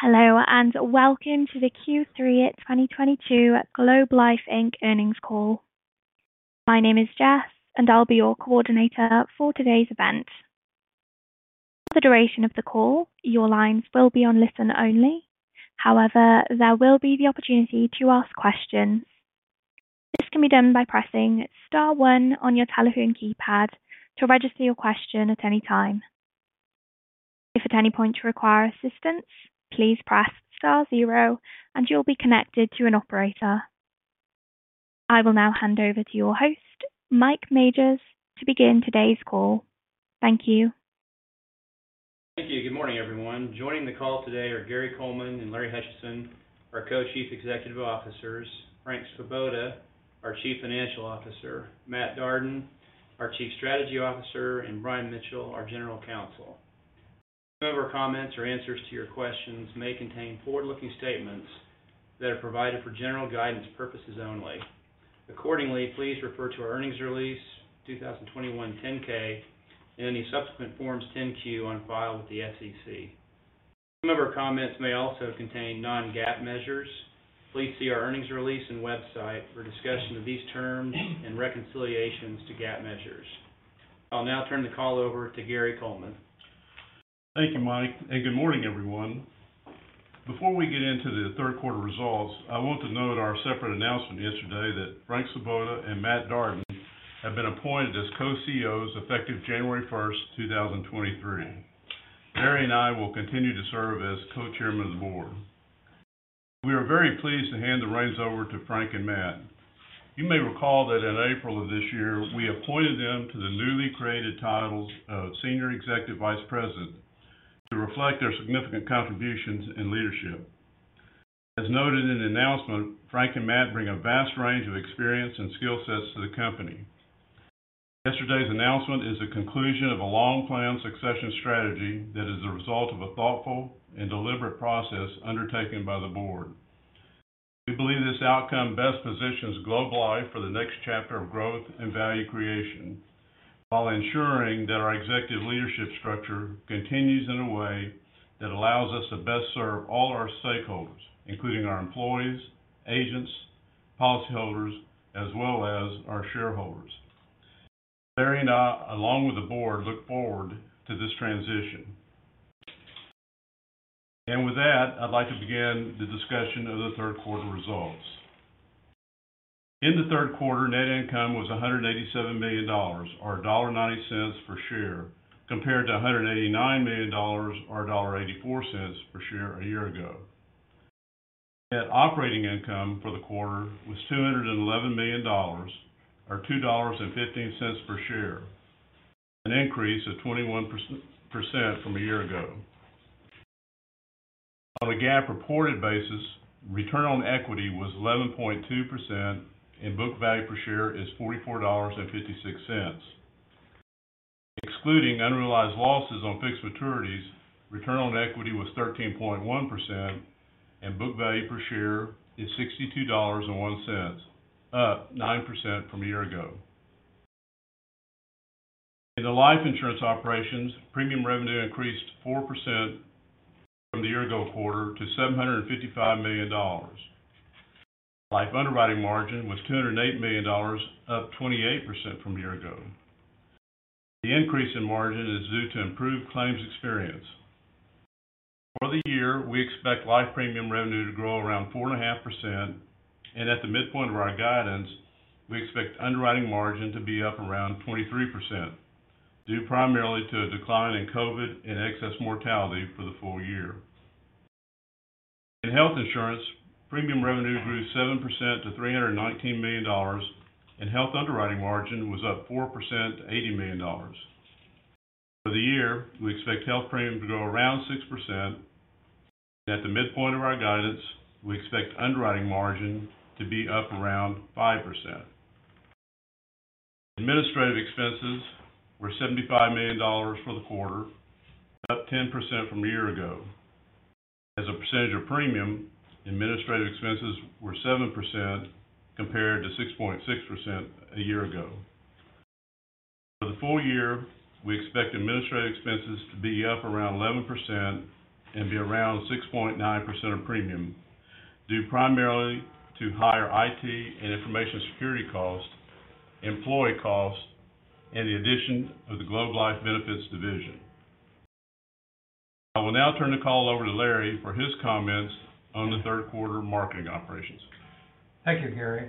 Hello, and welcome to the Q3 2022 Globe Life Inc. earnings call. My name is Jess, and I'll be your coordinator for today's event. For the duration of the call, your lines will be on listen only. However, there will be the opportunity to ask questions. This can be done by pressing star one on your telephone keypad to register your question at any time. If at any point you require assistance, please press star zero and you'll be connected to an operator. I will now hand over to your host, Mike Majors, to begin today's call. Thank you. Thank you. Good morning, everyone. Joining the call today are Gary Coleman and Larry Hutchison, our Co-Chief Executive Officers, Frank Svoboda, our Chief Financial Officer, Matt Darden, our Chief Strategy Officer, and Brian Mitchell, our General Counsel. Some of our comments or answers to your questions may contain forward-looking statements that are provided for general guidance purposes only. Accordingly, please refer to our earnings release 2021 10-K and any subsequent forms 10-Q on file with the SEC. Some of our comments may also contain non-GAAP measures. Please see our earnings release and website for discussion of these terms and reconciliations to GAAP measures. I'll now turn the call over to Gary Coleman. Thank you, Mike, and good morning, everyone. Before we get into the third quarter results, I want to note our separate announcement yesterday that Frank Svoboda and Matt Darden have been appointed as co-CEOs effective January 1st, 2023. Larry and I will continue to serve as co-chairman of the board. We are very pleased to hand the reins over to Frank and Matt. You may recall that in April of this year, we appointed them to the newly created titles of Senior Executive Vice President to reflect their significant contributions and leadership. As noted in the announcement, Frank and Matt bring a vast range of experience and skill sets to the company. Yesterday's announcement is the conclusion of a long-planned succession strategy that is the result of a thoughtful and deliberate process undertaken by the board. We believe this outcome best positions Globe Life for the next chapter of growth and value creation, while ensuring that our executive leadership structure continues in a way that allows us to best serve all our stakeholders, including our employees, agents, policyholders, as well as our shareholders. Larry and I, along with the board, look forward to this transition. With that, I'd like to begin the discussion of the third quarter results. In the third quarter, net income was $187 million or $0.90 per share, compared to $189 million or $0.84 per share a year ago. Net operating income for the quarter was $211 million or $2.15 per share, an increase of 21% from a year ago. On a GAAP reported basis, return on equity was 11.2% and book value per share is $44.56. Excluding unrealized losses on fixed maturities, return on equity was 13.1% and book value per share is $62.01, up 9% from a year ago. In the life insurance operations, premium revenue increased 4% from the year ago quarter to $755 million. Life underwriting margin was $208 million, up 28% from a year ago. The increase in margin is due to improved claims experience. For the year, we expect life premium revenue to grow around 4.5%, and at the midpoint of our guidance, we expect underwriting margin to be up around 23%, due primarily to a decline in COVID and excess mortality for the full year. In health insurance, premium revenue grew 7% to $319 million, and health underwriting margin was up 4% to $80 million. For the year, we expect health premium to grow around 6%, and at the midpoint of our guidance, we expect underwriting margin to be up around 5%. Administrative expenses were $75 million for the quarter, up 10% from a year ago. As a percentage of premium, administrative expenses were 7% compared to 6.6% a year ago. For the full year, we expect administrative expenses to be up around 11% and be around 6.9% of premium, due primarily to higher IT and information security costs, employee costs, and the addition of the Globe Life Benefits Division. I will now turn the call over to Larry for his comments on the third quarter marketing operations. Thank you, Gary.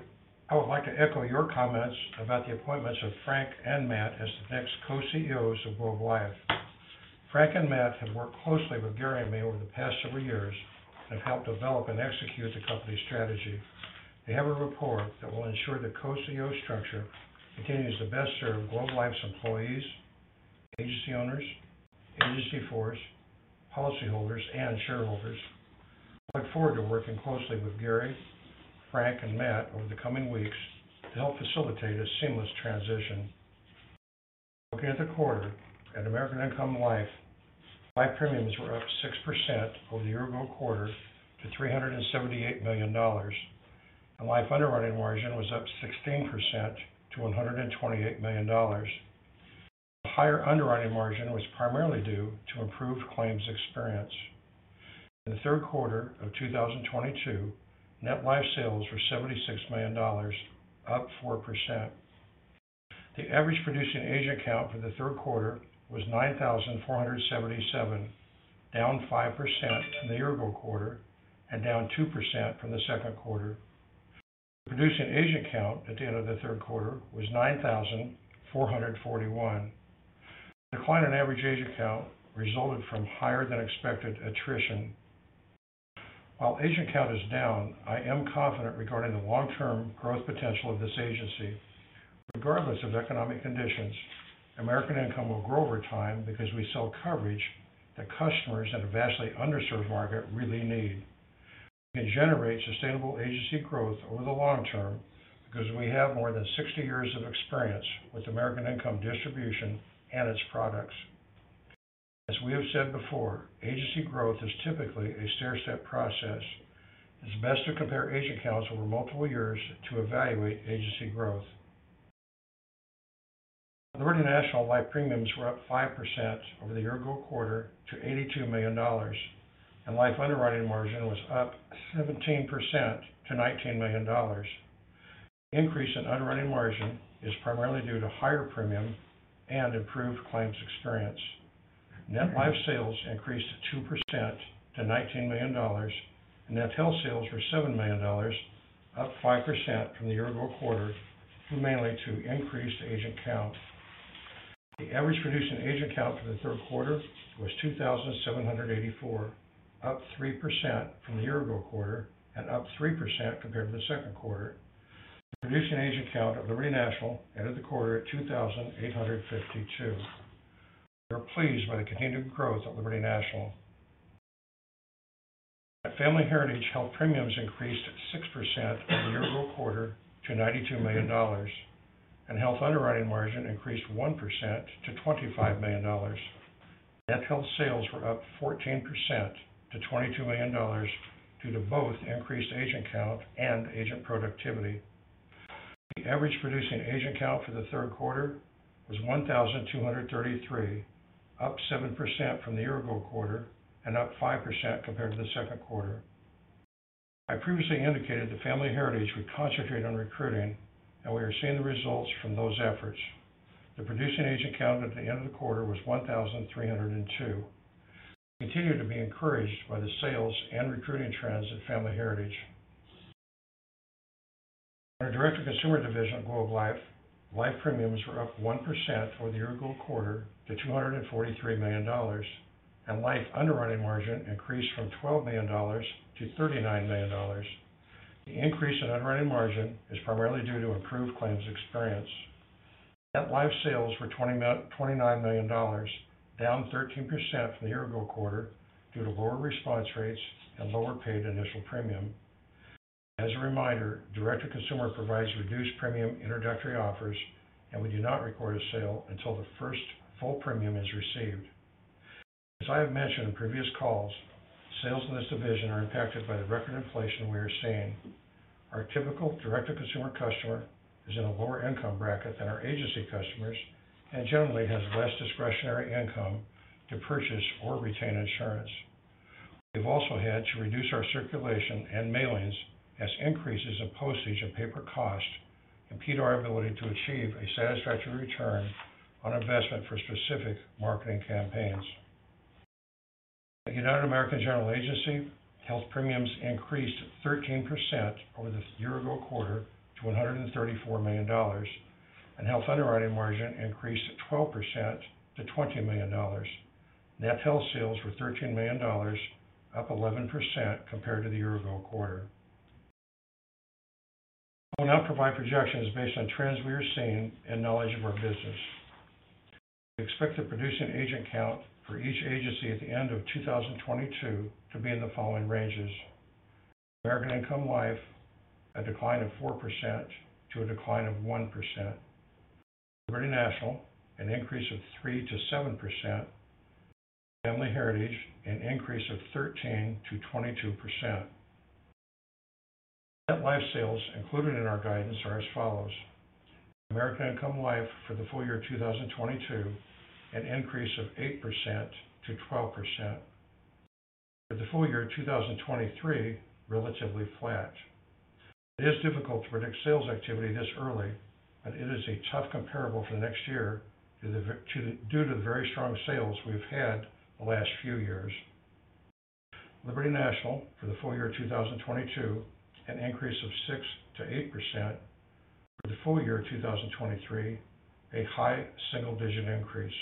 I would like to echo your comments about the appointments of Frank and Matt as the next co-CEOs of Globe Life. Frank and Matt have worked closely with Gary and me over the past several years and have helped develop and execute the company's strategy. They have a rapport that will ensure the co-CEO structure continues to best serve Globe Life's employees, agency owners, agency force, policyholders, and shareholders. I look forward to working closely with Gary, Frank, and Matt over the coming weeks to help facilitate a seamless transition. Looking at the quarter at American Income Life, life premiums were up 6% over the year-ago quarter to $378 million, and life underwriting margin was up 16% to $128 million. The higher underwriting margin was primarily due to improved claims experience. In the third quarter of 2022, net life sales were $76 million, up 4%. The average producing agent count for the third quarter was 9,477, down 5% from the year-ago quarter and down 2% from the second quarter. The producing agent count at the end of the third quarter was 9,441. The decline in average agent count resulted from higher than expected attrition. While agent count is down, I am confident regarding the long-term growth potential of this agency. Regardless of economic conditions, American Income will grow over time because we sell coverage that customers in a vastly underserved market really need. We can generate sustainable agency growth over the long term because we have more than 60 years of experience with American Income Distribution and its products. As we have said before, agency growth is typically a stairstep process. It's best to compare agent counts over multiple years to evaluate agency growth. Liberty National Life premiums were up 5% over the year-ago quarter to $82 million, and life underwriting margin was up 17% to $19 million. The increase in underwriting margin is primarily due to higher premiums and improved claims experience. Net life sales increased 2% to $19 million, and net health sales were $7 million, up 5% from the year-ago quarter, mainly due to increased agent count. The average producing agent count for the third quarter was 2,784, up 3% from the year-ago quarter and up 3% compared to the second quarter. The producing agent count at Liberty National ended the quarter at 2,852. We are pleased by the continued growth of Liberty National. At Family Heritage, health premiums increased 6% from the year-ago quarter to $92 million, and health underwriting margin increased 1% to $25 million. Net health sales were up 14% to $22 million due to both increased agent count and agent productivity. The average producing agent count for the third quarter was 1,233, up 7% from the year-ago quarter and up 5% compared to the second quarter. I previously indicated that Family Heritage would concentrate on recruiting, and we are seeing the results from those efforts. The producing agent count at the end of the quarter was 1,302. We continue to be encouraged by the sales and recruiting trends at Family Heritage. In our Direct to Consumer Division of Globe Life, life premiums were up 1% for the year-ago quarter to $243 million, and life underwriting margin increased from $12 million to $39 million. The increase in underwriting margin is primarily due to improved claims experience. Net life sales were $29 million, down 13% from the year-ago quarter due to lower response rates and lower paid initial premium. As a reminder, Direct to Consumer provides reduced premium introductory offers, and we do not record a sale until the first full premium is received. As I have mentioned in previous calls, sales in this division are impacted by the record inflation we are seeing. Our typical Direct to Consumer customer is in a lower income bracket than our agency customers and generally has less discretionary income to purchase or retain insurance. We've also had to reduce our circulation and mailings as increases in postage and paper cost impede our ability to achieve a satisfactory return on investment for specific marketing campaigns. At United American General Agency, health premiums increased 13% over the year-ago quarter to $134 million, and health underwriting margin increased 12% to $20 million. Net health sales were $13 million, up 11% compared to the year-ago quarter. I will now provide projections based on trends we are seeing and knowledge of our business. We expect the producing agent count for each agency at the end of 2022 to be in the following ranges. American Income Life, a decline of 4% to a decline of 1%. Liberty National, an increase of 3%-7%. Family Heritage, an increase of 13%-22%. Net life sales included in our guidance are as follows. American Income Life for the full year 2022, an increase of 8%-12%. For the full year 2023, relatively flat. It is difficult to predict sales activity this early, but it is a tough comparable for the next year due to the very strong sales we've had the last few years. Liberty National for the full year 2022, an increase of 6%-8%. For the full year 2023, a high single digit increase.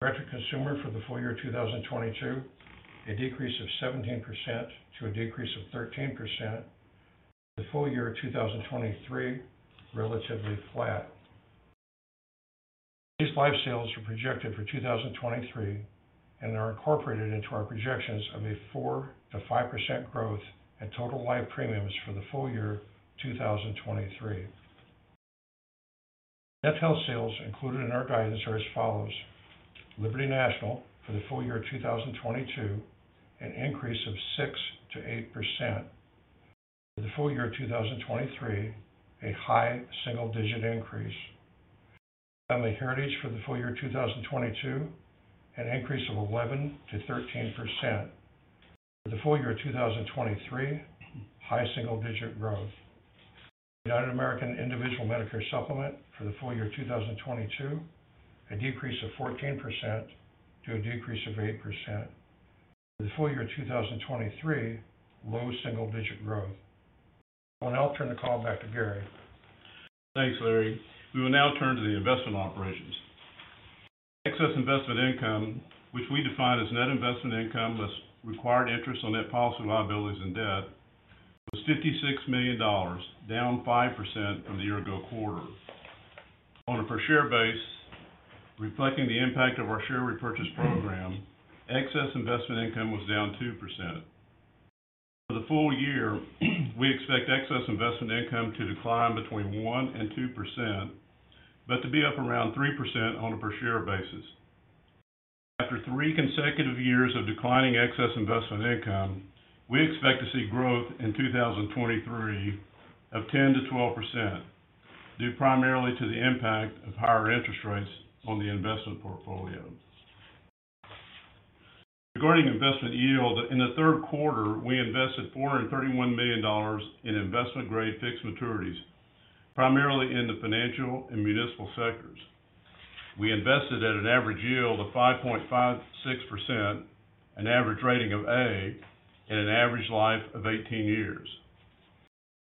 Direct to Consumer for the full year 2022, a decrease of 17% to a decrease of 13%. For the full year 2023, relatively flat. These life sales are projected for 2023 and are incorporated into our projections of a 4%-5% growth at total life premiums for the full year 2023. Net health sales included in our guidance are as follows. Liberty National for the full year 2022, an increase of 6%-8%. The full year 2023, a high single-digit increase. Family Heritage for the full year 2022, an increase of 11%-13%. For the full year 2023, high single-digit growth. United American Individual Medicare Supplement for the full year 2022, a decrease of 14% to a decrease of 8%. For the full year 2023, low single-digit growth. I will now turn the call back to Gary. Thanks, Larry. We will now turn to the investment operations. Excess investment income, which we define as net investment income, plus required interest on net policy liabilities and debt, was $56 million, down 5% from the year-ago quarter. On a per share basis, reflecting the impact of our share repurchase program, excess investment income was down 2%. For the full year, we expect excess investment income to decline between 1% and 2%, but to be up around 3% on a per share basis. After three consecutive years of declining excess investment income, we expect to see growth in 2023 of 10%-12%, due primarily to the impact of higher interest rates on the investment portfolio. Regarding investment yield, in the third quarter, we invested $431 million in investment-grade fixed maturities, primarily in the financial and municipal sectors. We invested at an average yield of 5.56%, an average rating of A, and an average life of 18 years.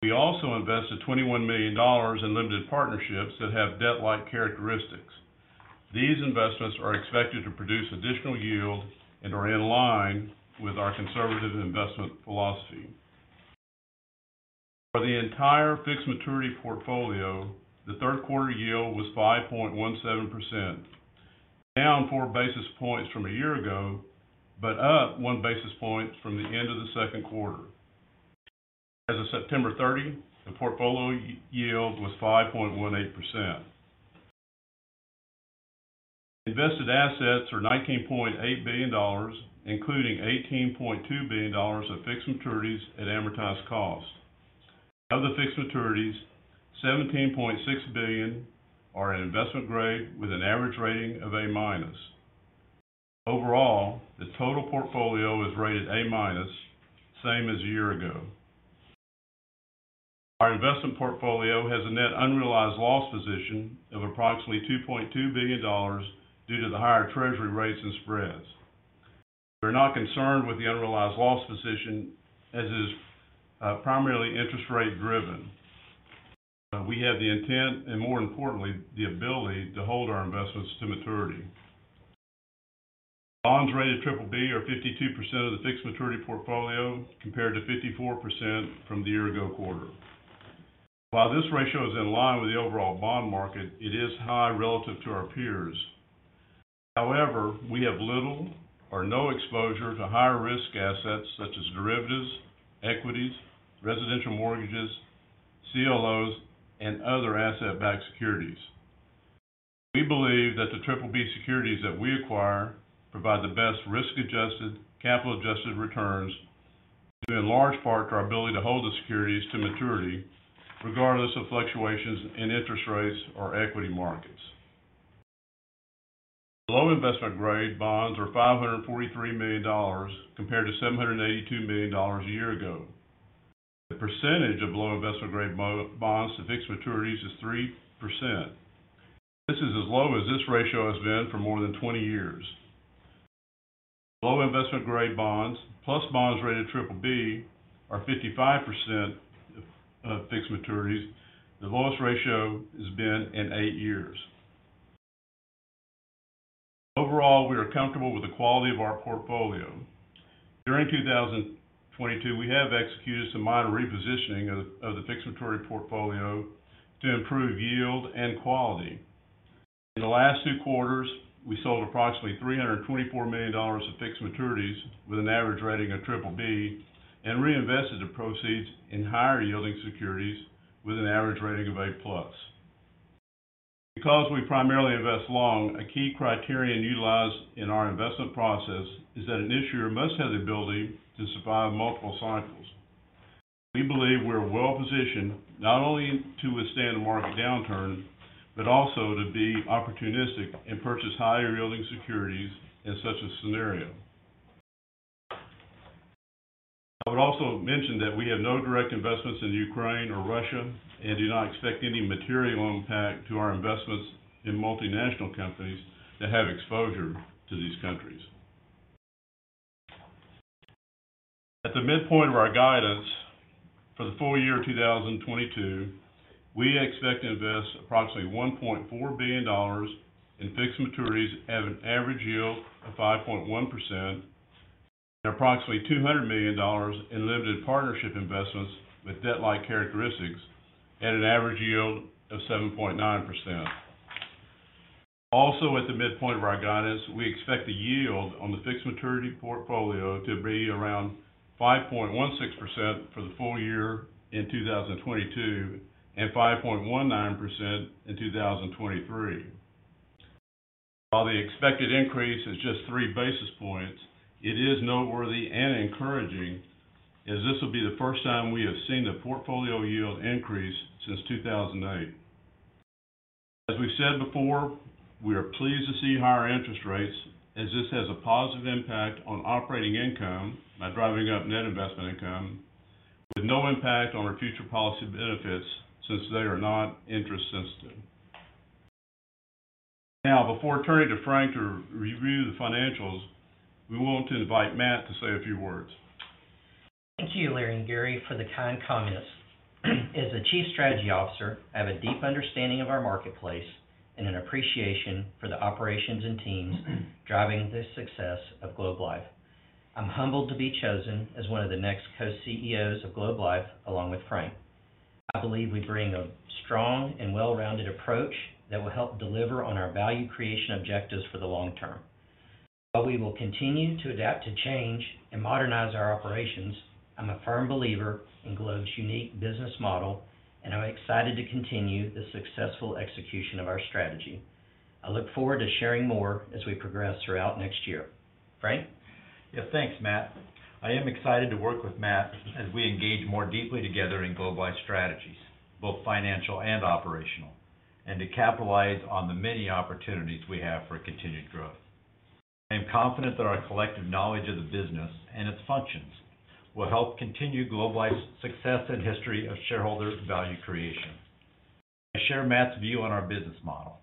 We also invested $21 million in limited partnerships that have debt-like characteristics. These investments are expected to produce additional yield and are in line with our conservative investment philosophy. For the entire fixed maturity portfolio, the third quarter yield was 5.17%, down 4 basis points from a year ago, but up 1 basis point from the end of the second quarter. As of September 30, the portfolio yield was 5.18%. Invested assets are $19.8 billion, including $18.2 billion of fixed maturities at amortized cost. Of the fixed maturities, $17.6 billion are in investment-grade with an average rating of A-. Overall, the total portfolio is rated A-, same as a year ago. Our investment portfolio has a net unrealized loss position of approximately $2.2 billion due to the higher treasury rates and spreads. We're not concerned with the unrealized loss position as it is primarily interest rate-driven. We have the intent and more importantly, the ability to hold our investments to maturity. Bonds rated BBB are 52% of the fixed maturity portfolio, compared to 54% from the year-ago quarter. While this ratio is in line with the overall bond market, it is high relative to our peers. However, we have little or no exposure to higher-risk assets such as derivatives, equities, residential mortgages, CLOs, and other asset-backed securities. We believe that the BBB securities that we acquire provide the best risk-adjusted, capital-adjusted returns due in large part to our ability to hold the securities to maturity regardless of fluctuations in interest rates or equity markets. Low investment-grade bonds are $543 million compared to $782 million a year ago. The percentage of low investment-grade bonds to fixed maturities is 3%. This is as low as this ratio has been for more than 20 years. Low investment-grade bonds plus bonds rated BBB are 55% of fixed maturities, the lowest ratio it's been in eight years. Overall, we are comfortable with the quality of our portfolio. During 2022, we have executed some minor repositioning of the fixed maturity portfolio to improve yield and quality. In the last two quarters, we sold approximately $324 million of fixed maturities with an average rating of BBB, and reinvested the proceeds in higher-yielding securities with an average rating of A+. Because we primarily invest long, a key criterion utilized in our investment process is that an issuer must have the ability to survive multiple cycles. We believe we're well-positioned not only to withstand a market downturn, but also to be opportunistic and purchase higher-yielding securities in such a scenario. I would also mention that we have no direct investments in Ukraine or Russia and do not expect any material impact to our investments in multinational companies that have exposure to these countries. At the midpoint of our guidance for the full year 2022, we expect to invest approximately $1.4 billion in fixed maturities at an average yield of 5.1%, and approximately $200 million in limited partnership investments with debt-like characteristics at an average yield of 7.9%. Also, at the midpoint of our guidance, we expect the yield on the fixed maturity portfolio to be around 5.16% for the full year in 2022, and 5.19% in 2023. While the expected increase is just three basis points, it is noteworthy and encouraging as this will be the first time we have seen the portfolio yield increase since 2008. As we've said before, we are pleased to see higher interest rates as this has a positive impact on operating income by driving up net investment income with no impact on our future policy benefits since they are not interest sensitive. Now, before turning to Frank to review the financials, we want to invite Matt to say a few words. Thank you, Larry and Gary, for the kind comments. As the Chief Strategy Officer, I have a deep understanding of our marketplace and an appreciation for the operations and teams driving the success of Globe Life. I'm humbled to be chosen as one of the next Co-CEOs of Globe Life along with Frank. I believe we bring a strong and well-rounded approach that will help deliver on our value creation objectives for the long term. While we will continue to adapt to change and modernize our operations, I'm a firm believer in Globe's unique business model, and I'm excited to continue the successful execution of our strategy. I look forward to sharing more as we progress throughout next year. Frank? Yeah. Thanks, Matt. I am excited to work with Matt as we engage more deeply together in Globe Life strategies, both financial and operational, and to capitalize on the many opportunities we have for continued growth. I am confident that our collective knowledge of the business and its functions will help continue Globe Life's success and history of shareholder value creation. I share Matt's view on our business model.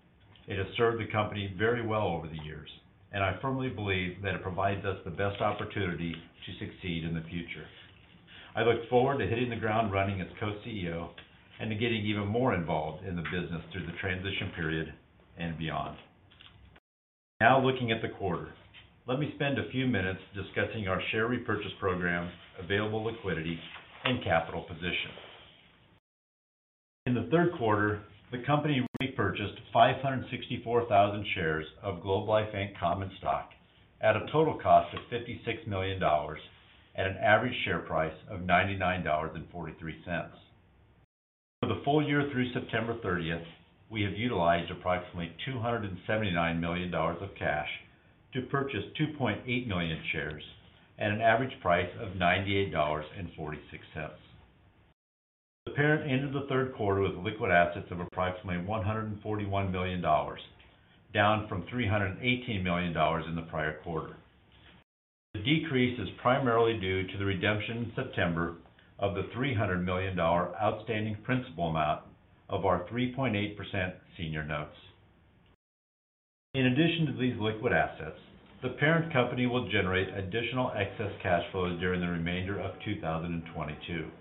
It has served the company very well over the years, and I firmly believe that it provides us the best opportunity to succeed in the future. I look forward to hitting the ground running as co-CEO and to getting even more involved in the business through the transition period and beyond. Now looking at the quarter, let me spend a few minutes discussing our share repurchase program, available liquidity, and capital position. In the third quarter, the company repurchased 564,000 shares of Globe Life Inc. common stock at a total cost of $56 million at an average share price of $99.43. For the full year through September 30th, we have utilized approximately $279 million of cash to purchase 2.8 million shares at an average price of $98.46. The parent ended the third quarter with liquid assets of approximately $141 million, down from $318 million in the prior quarter. The decrease is primarily due to the redemption in September of the $300 million outstanding principal amount of our 3.8% senior notes. In addition to these liquid assets, the parent company will generate additional excess cash flows during the remainder of 2022.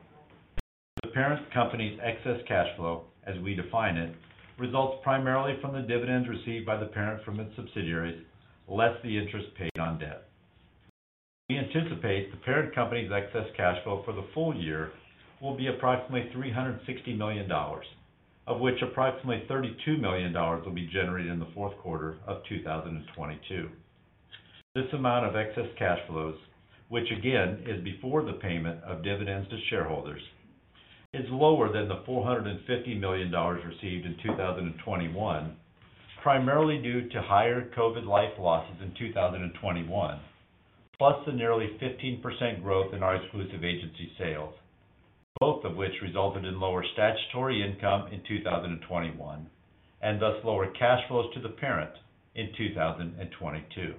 The parent company's excess cash flow, as we define it, results primarily from the dividends received by the parent from its subsidiaries, less the interest paid on debt. We anticipate the parent company's excess cash flow for the full year will be approximately $360 million, of which approximately $32 million will be generated in the fourth quarter of 2022. This amount of excess cash flows, which again is before the payment of dividends to shareholders, is lower than the $450 million received in 2021, primarily due to higher COVID life losses in 2021, plus the nearly 15% growth in our exclusive agency sales, both of which resulted in lower statutory income in 2021 and thus lower cash flows to the parent in 2022.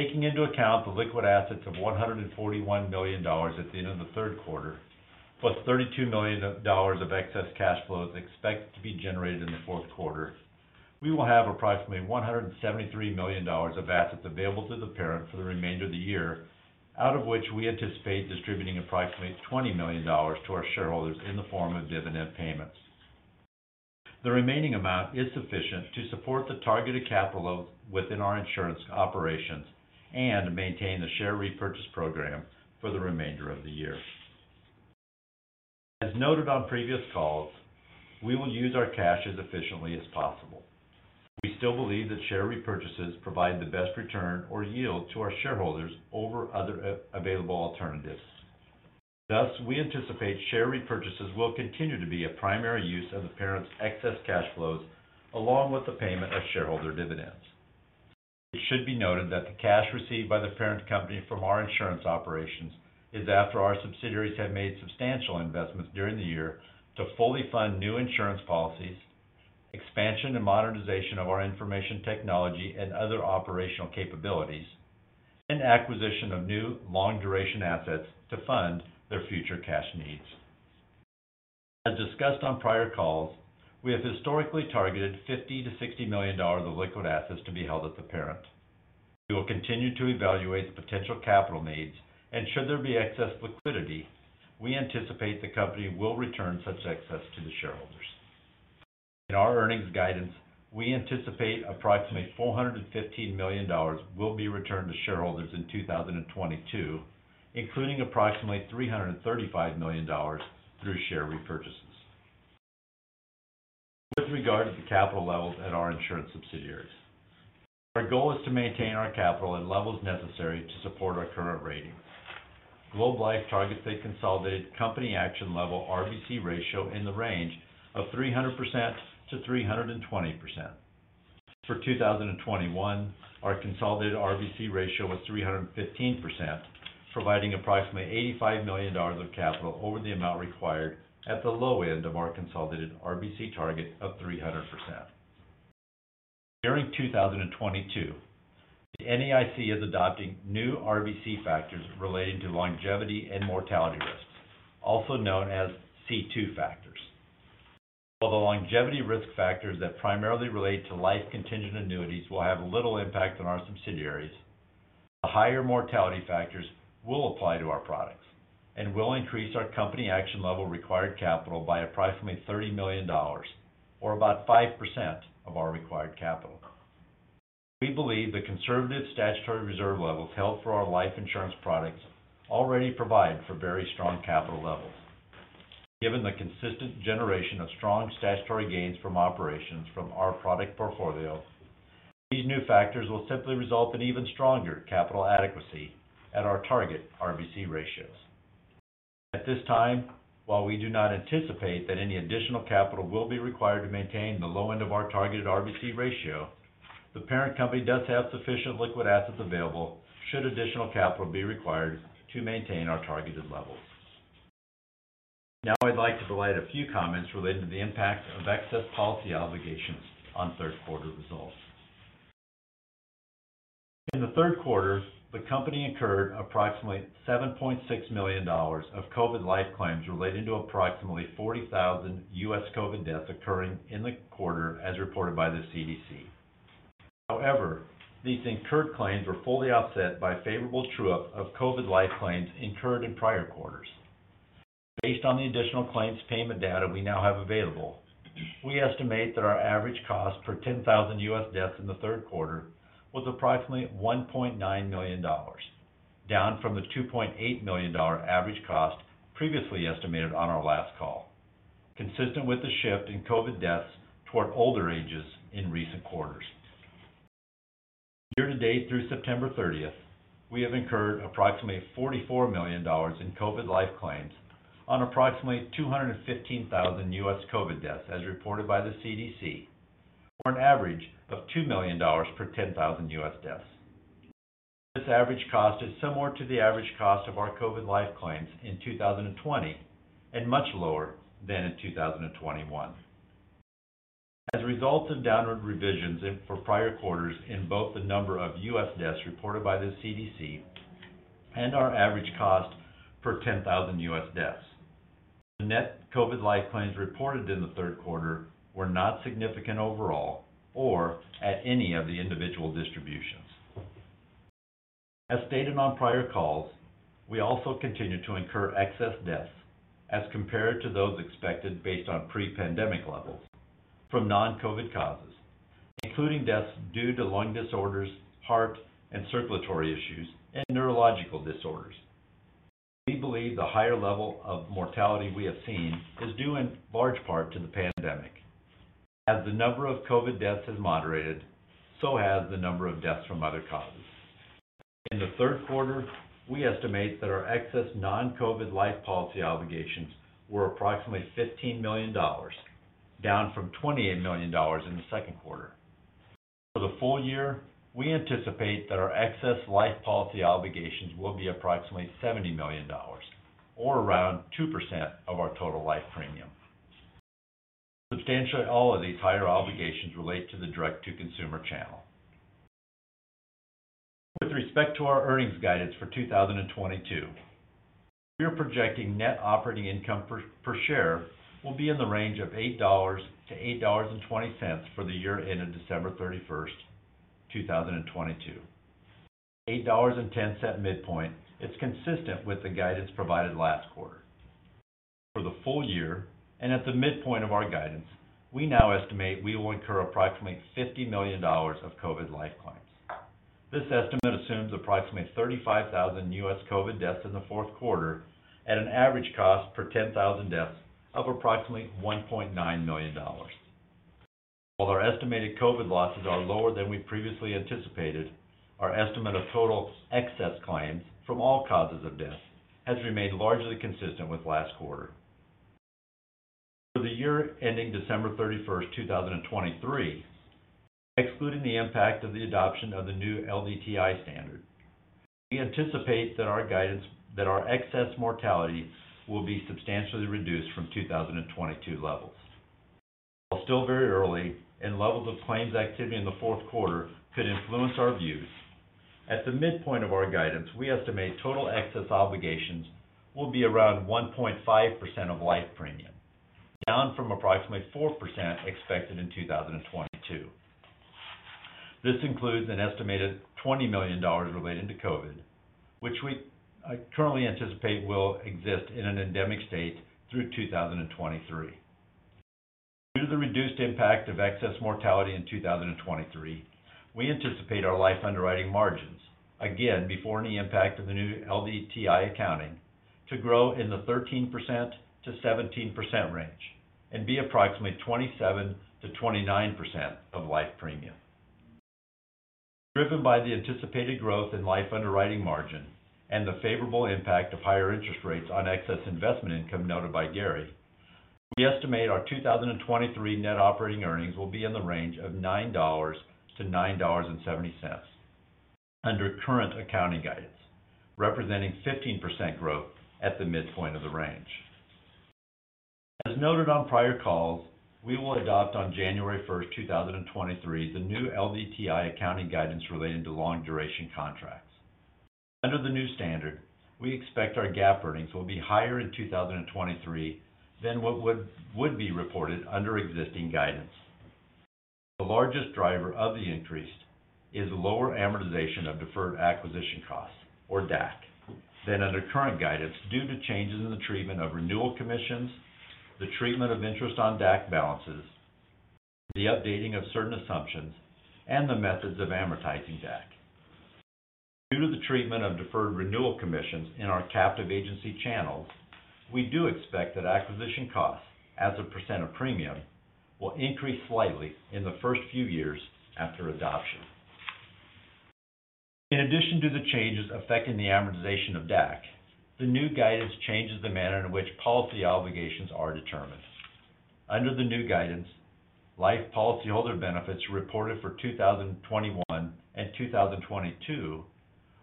Taking into account the liquid assets of $141 million at the end of the third quarter, +$32 million of excess cash flows expected to be generated in the fourth quarter, we will have approximately $173 million of assets available to the parent for the remainder of the year, out of which we anticipate distributing approximately $20 million to our shareholders in the form of dividend payments. The remaining amount is sufficient to support the targeted capital load within our insurance operations and maintain the share repurchase program for the remainder of the year. As noted on previous calls, we will use our cash as efficiently as possible. We still believe that share repurchases provide the best return or yield to our shareholders over other available alternatives. Thus, we anticipate share repurchases will continue to be a primary use of the parent's excess cash flows along with the payment of shareholder dividends. It should be noted that the cash received by the parent company from our insurance operations is after our subsidiaries have made substantial investments during the year to fully fund new insurance policies, expansion and modernization of our information technology and other operational capabilities, and acquisition of new long duration assets to fund their future cash needs. As discussed on prior calls, we have historically targeted $50 million-$60 million of liquid assets to be held at the parent. We will continue to evaluate potential capital needs, and should there be excess liquidity, we anticipate the company will return such excess to the shareholders. In our earnings guidance, we anticipate approximately $415 million will be returned to shareholders in 2022, including approximately $335 million through share repurchases. With regard to the capital levels at our insurance subsidiaries, our goal is to maintain our capital at levels necessary to support our current rating. Globe Life targets the consolidated company action level RBC ratio in the range of 300%-320%. For 2021, our consolidated RBC ratio was 315%, providing approximately $85 million of capital over the amount required at the low end of our consolidated RBC target of 300%. During 2022, the NAIC is adopting new RBC factors relating to longevity and mortality risks, also known as C2 factors. While the longevity risk factors that primarily relate to life contingent annuities will have little impact on our subsidiaries, the higher mortality factors will apply to our products and will increase our company action level required capital by approximately $30 million, or about 5% of our required capital. We believe the conservative statutory reserve levels held for our life insurance products already provide for very strong capital levels. Given the consistent generation of strong statutory gains from operations from our product portfolio, these new factors will simply result in even stronger capital adequacy at our target RBC ratios. At this time, while we do not anticipate that any additional capital will be required to maintain the low end of our targeted RBC ratio, the parent company does have sufficient liquid assets available should additional capital be required to maintain our targeted levels. Now I'd like to provide a few comments relating to the impact of excess policy obligations on third quarter results. In the third quarter, the company incurred approximately $7.6 million of COVID life claims relating to approximately 40,000 U.S. COVID deaths occurring in the quarter as reported by the CDC. However, these incurred claims were fully offset by favorable true up of COVID life claims incurred in prior quarters. Based on the additional claims payment data we now have available, we estimate that our average cost per 10,000 U.S. deaths in the third quarter was approximately $1.9 million, down from the $2.8 million average cost previously estimated on our last call, consistent with the shift in COVID deaths toward older ages in recent quarters. Year to date through September 30th, we have incurred approximately $44 million in COVID life claims on approximately 215,000 U.S. COVID deaths as reported by the CDC, or an average of $2 million per 10,000 U.S. deaths. This average cost is similar to the average cost of our COVID life claims in 2020, and much lower than in 2021. As a result of downward revisions in four prior quarters in both the number of U.S. deaths reported by the CDC and our average cost per 10,000 U.S. deaths, the net COVID life claims reported in the third quarter were not significant overall or at any of the individual distributions. As stated on prior calls, we also continue to incur excess deaths as compared to those expected based on pre-pandemic levels from non-COVID causes, including deaths due to lung disorders, heart and circulatory issues, and neurological disorders. We believe the higher level of mortality we have seen is due in large part to the pandemic. As the number of COVID deaths has moderated, so has the number of deaths from other causes. In the third quarter, we estimate that our excess non-COVID life policy obligations were approximately $15 million, down from $28 million in the second quarter. For the full year, we anticipate that our excess life policy obligations will be approximately $70 million, or around 2% of our total life premium. Substantially all of these higher obligations relate to the Direct to Consumer channel. With respect to our earnings guidance for 2022, we are projecting net operating income per share will be in the range of $8-$8.20 for the year ending December 31st, 2022. $8.10 midpoint is consistent with the guidance provided last quarter. For the full year and at the midpoint of our guidance, we now estimate we will incur approximately $50 million of COVID life claims. This estimate assumes approximately 35,000 U.S. COVID deaths in the fourth quarter at an average cost per 10,000 deaths of approximately $1.9 million. While our estimated COVID losses are lower than we previously anticipated, our estimate of total excess claims from all causes of death has remained largely consistent with last quarter. For the year ending December 31st, 2023, excluding the impact of the adoption of the new LDTI standard, we anticipate that our guidance that our excess mortality will be substantially reduced from 2022 levels. While still very early and levels of claims activity in the fourth quarter could influence our views, at the midpoint of our guidance, we estimate total excess obligations will be around 1.5% of life premium, down from approximately 4% expected in 2022. This includes an estimated $20 million relating to COVID, which we currently anticipate will exist in an endemic state through 2023. Due to the reduced impact of excess mortality in 2023, we anticipate our life underwriting margins. Again, before any impact of the new LDTI accounting to grow in the 13%-17% range and be approximately 27%-29% of life premium. Driven by the anticipated growth in life underwriting margin and the favorable impact of higher interest rates on excess investment income noted by Gary, we estimate our 2023 net operating earnings will be in the range of $9-$9.70 under current accounting guidance, representing 15% growth at the midpoint of the range. As noted on prior calls, we will adopt on January 1st, 2023, the new LDTI accounting guidance relating to long duration contracts. Under the new standard, we expect our GAAP earnings will be higher in 2023 than what would be reported under existing guidance. The largest driver of the increase is lower amortization of deferred acquisition costs, or DAC, than under current guidance due to changes in the treatment of renewal commissions, the treatment of interest on DAC balances, the updating of certain assumptions, and the methods of amortizing DAC. Due to the treatment of deferred renewal commissions in our captive agency channels, we do expect that acquisition costs as a percent of premium will increase slightly in the first few years after adoption. In addition to the changes affecting the amortization of DAC, the new guidance changes the manner in which policy obligations are determined. Under the new guidance, life policyholder benefits reported for 2021 and 2022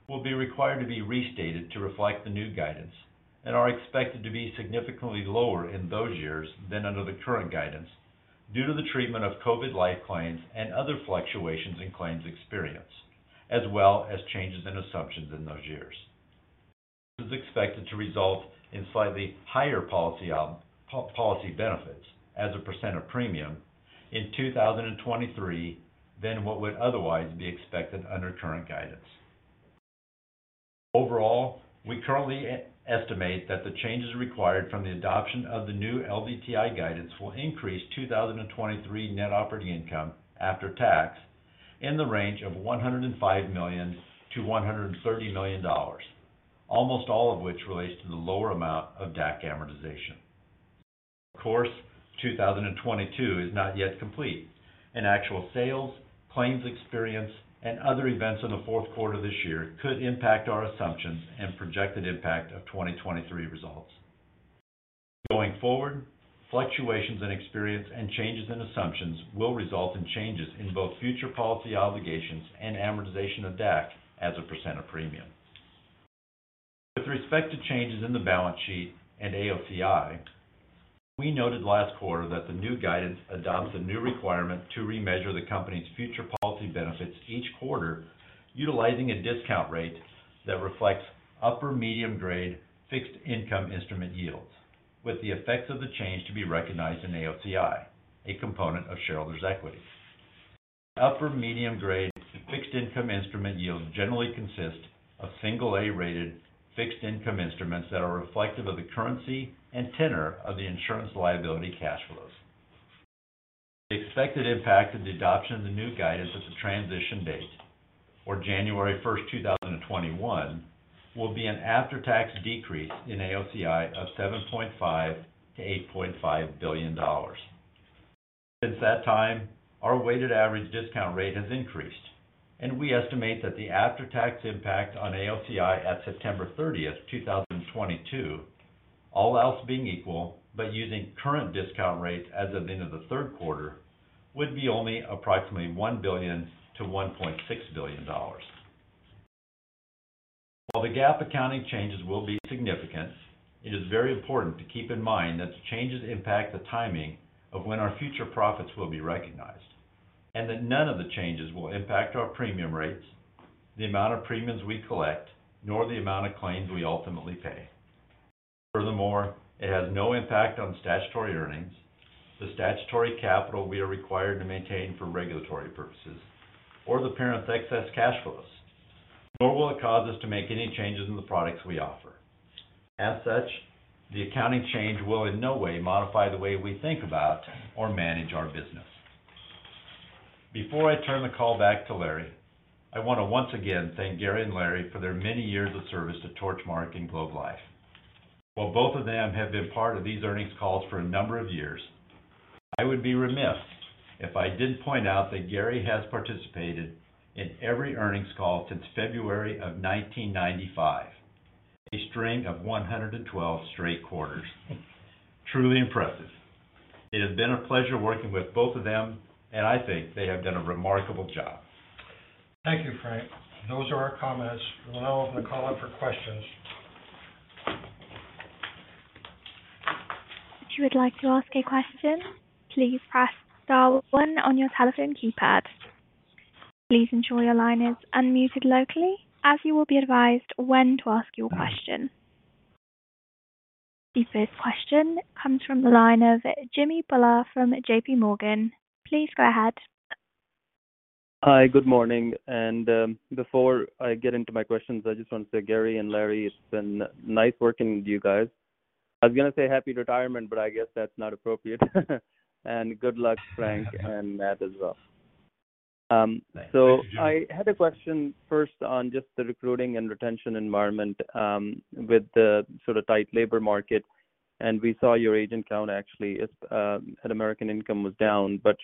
will be required to be restated to reflect the new guidance and are expected to be significantly lower in those years than under the current guidance due to the treatment of COVID life claims and other fluctuations in claims experience, as well as changes in assumptions in those years. This is expected to result in slightly higher policy benefits as a percent of premium in 2023 than what would otherwise be expected under current guidance. Overall, we currently estimate that the changes required from the adoption of the new LDTI guidance will increase 2023 net operating income after tax in the range of $105 million-$130 million, almost all of which relates to the lower amount of DAC amortization. Of course, 2022 is not yet complete, and actual sales, claims experience and other events in the fourth quarter this year could impact our assumptions and projected impact of 2023 results. Going forward, fluctuations in experience and changes in assumptions will result in changes in both future policy obligations and amortization of DAC as a percent of premium. With respect to changes in the balance sheet and AOCI, we noted last quarter that the new guidance adopts a new requirement to remeasure the company's future policy benefits each quarter, utilizing a discount rate that reflects upper medium grade fixed income instrument yields, with the effects of the change to be recognized in AOCI, a component of shareholders' equity. Upper medium grade fixed income instrument yields generally consist of single A-rated fixed income instruments that are reflective of the currency and tenor of the insurance liability cash flows. The expected impact of the adoption of the new guidance as a transition date for January 1st, 2021 will be an after-tax decrease in AOCI of $7.5 billion-$8.5 billion. Since that time, our weighted average discount rate has increased, and we estimate that the after-tax impact on AOCI at September 30th, 2022, all else being equal, but using current discount rates as of the end of the third quarter, would be only approximately $1 billion-$1.6 billion. While the GAAP accounting changes will be significant, it is very important to keep in mind that the changes impact the timing of when our future profits will be recognized, and that none of the changes will impact our premium rates, the amount of premiums we collect, nor the amount of claims we ultimately pay. Furthermore, it has no impact on statutory earnings, the statutory capital we are required to maintain for regulatory purposes or the parent's excess cash flows, nor will it cause us to make any changes in the products we offer. As such, the accounting change will in no way modify the way we think about or manage our business. Before I turn the call back to Larry, I want to once again thank Gary and Larry for their many years of service to Torchmark and Globe Life. While both of them have been part of these earnings calls for a number of years, I would be remiss if I didn't point out that Gary has participated in every earnings call since February of 1995, a string of 112 straight quarters. Truly impressive. It has been a pleasure working with both of them, and I think they have done a remarkable job. Thank you, Frank. Those are our comments. We'll now open the call up for questions. If you would like to ask a question, please press star one on your telephone keypad. Please ensure your line is unmuted locally as you will be advised when to ask your question. The first question comes from the line of Jimmy Bhullar from JPMorgan. Please go ahead. Hi. Good morning, and before I get into my questions, I just want to say, Gary and Larry, it's been nice working with you guys. I was going to say happy retirement, but I guess that's not appropriate. Good luck, Frank and Matt as well. Thanks. I had a question first on just the recruiting and retention environment, with the sort of tight labor market. We saw your agent count actually is down at American Income.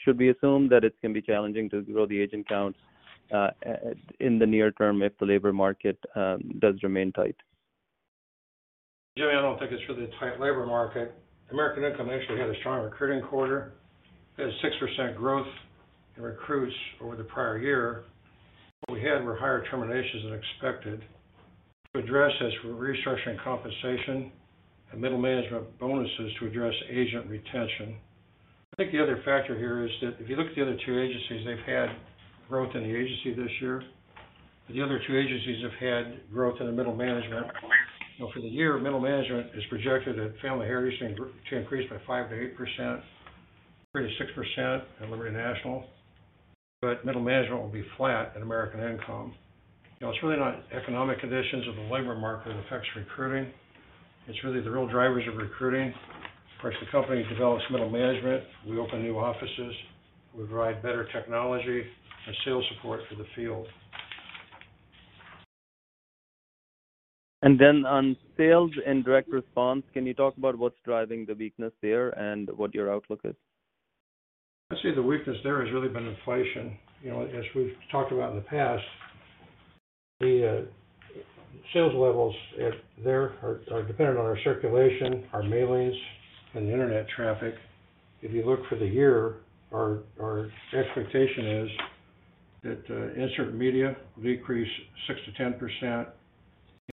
Should we assume that it's going to be challenging to grow the agent counts in the near term if the labor market does remain tight? Jimmy, I don't think it's really a tight labor market. American Income actually had a strong recruiting quarter. It had a 6% growth in recruits over the prior year. What we had were higher terminations than expected. To address this, we're restructuring compensation and middle management bonuses to address agent retention. I think the other factor here is that if you look at the other two agencies, they've had growth in the agency this year. The other two agencies have had growth in the middle management. You know, for the year, middle management is projected at Family Heritage to increase by 5%-8%, 3%-6% at Liberty National. But middle management will be flat at American Income. You know, it's really not economic conditions or the labor market that affects recruiting. It's really the real drivers of recruiting. Of course, the company develops middle management. We open new offices. We provide better technology and sales support for the field. On sales and direct response, can you talk about what's driving the weakness there and what your outlook is? I'd say the weakness there has really been inflation. You know, as we've talked about in the past, the sales levels there are dependent on our circulation, our mailings, and the internet traffic. If you look for the year, our expectation is that ad insert media will decrease 6%-10%. Ad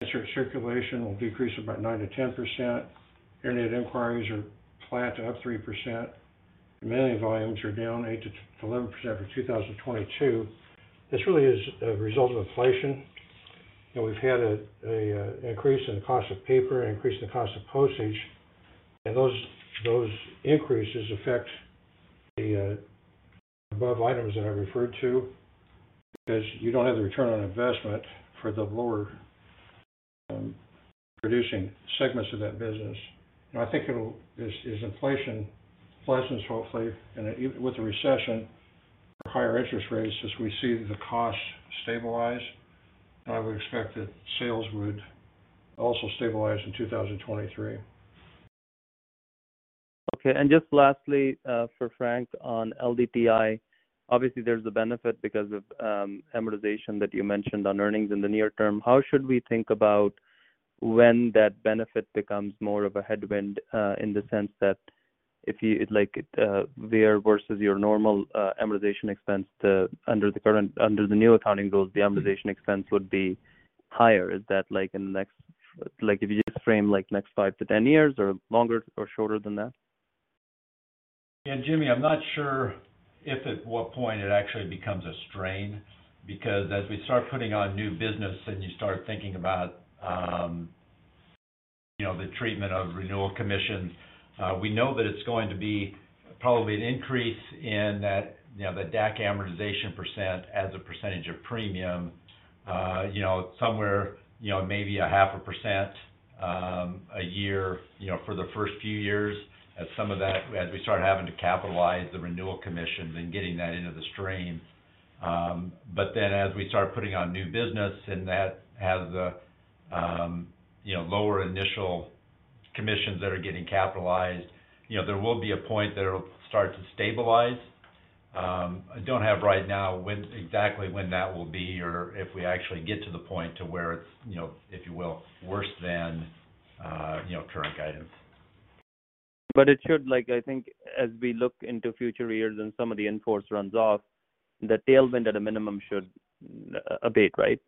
insert circulation will decrease about 9%-10%. Internet inquiries are flat to up 3%. Mailing volumes are down 8%-12% for 2022. This really is a result of inflation. You know, we've had a increase in the cost of paper, increase in the cost of postage, and those increases affect the above items that I referred to because you don't have the return on investment for the lower producing segments of that business. You know, I think it'll. Inflation lessens, hopefully, and with the recession or higher interest rates, as we see the costs stabilize, I would expect that sales would also stabilize in 2023. Okay. Just lastly, for Frank on LDTI, obviously there's the benefit because of amortization that you mentioned on earnings in the near term. How should we think about when that benefit becomes more of a headwind, in the sense that if you like, where versus your normal amortization expense under the new accounting rules, the amortization expense would be higher. Is that, like, in the next, like, if you just frame, like, next five to 10 years or longer or shorter than that? Yeah, Jimmy, I'm not sure at what point it actually becomes a strain because as we start putting on new business, then you start thinking about the treatment of renewal commissions. We know that it's going to be probably an increase in that, the DAC amortization percent as a percentage of premium, somewhere maybe 0.5% a year, for the first few years as some of that, as we start having to capitalize the renewal commissions and getting that into the stream. As we start putting on new business and that has lower initial commissions that are getting capitalized, there will be a point that it'll start to stabilize. I don't have right now when exactly that will be or if we actually get to the point to where it's, you know, if you will, worse than, you know, current guidance. It should, like, I think as we look into future years and some of the in-force runs off, the tailwind at a minimum should abate, right?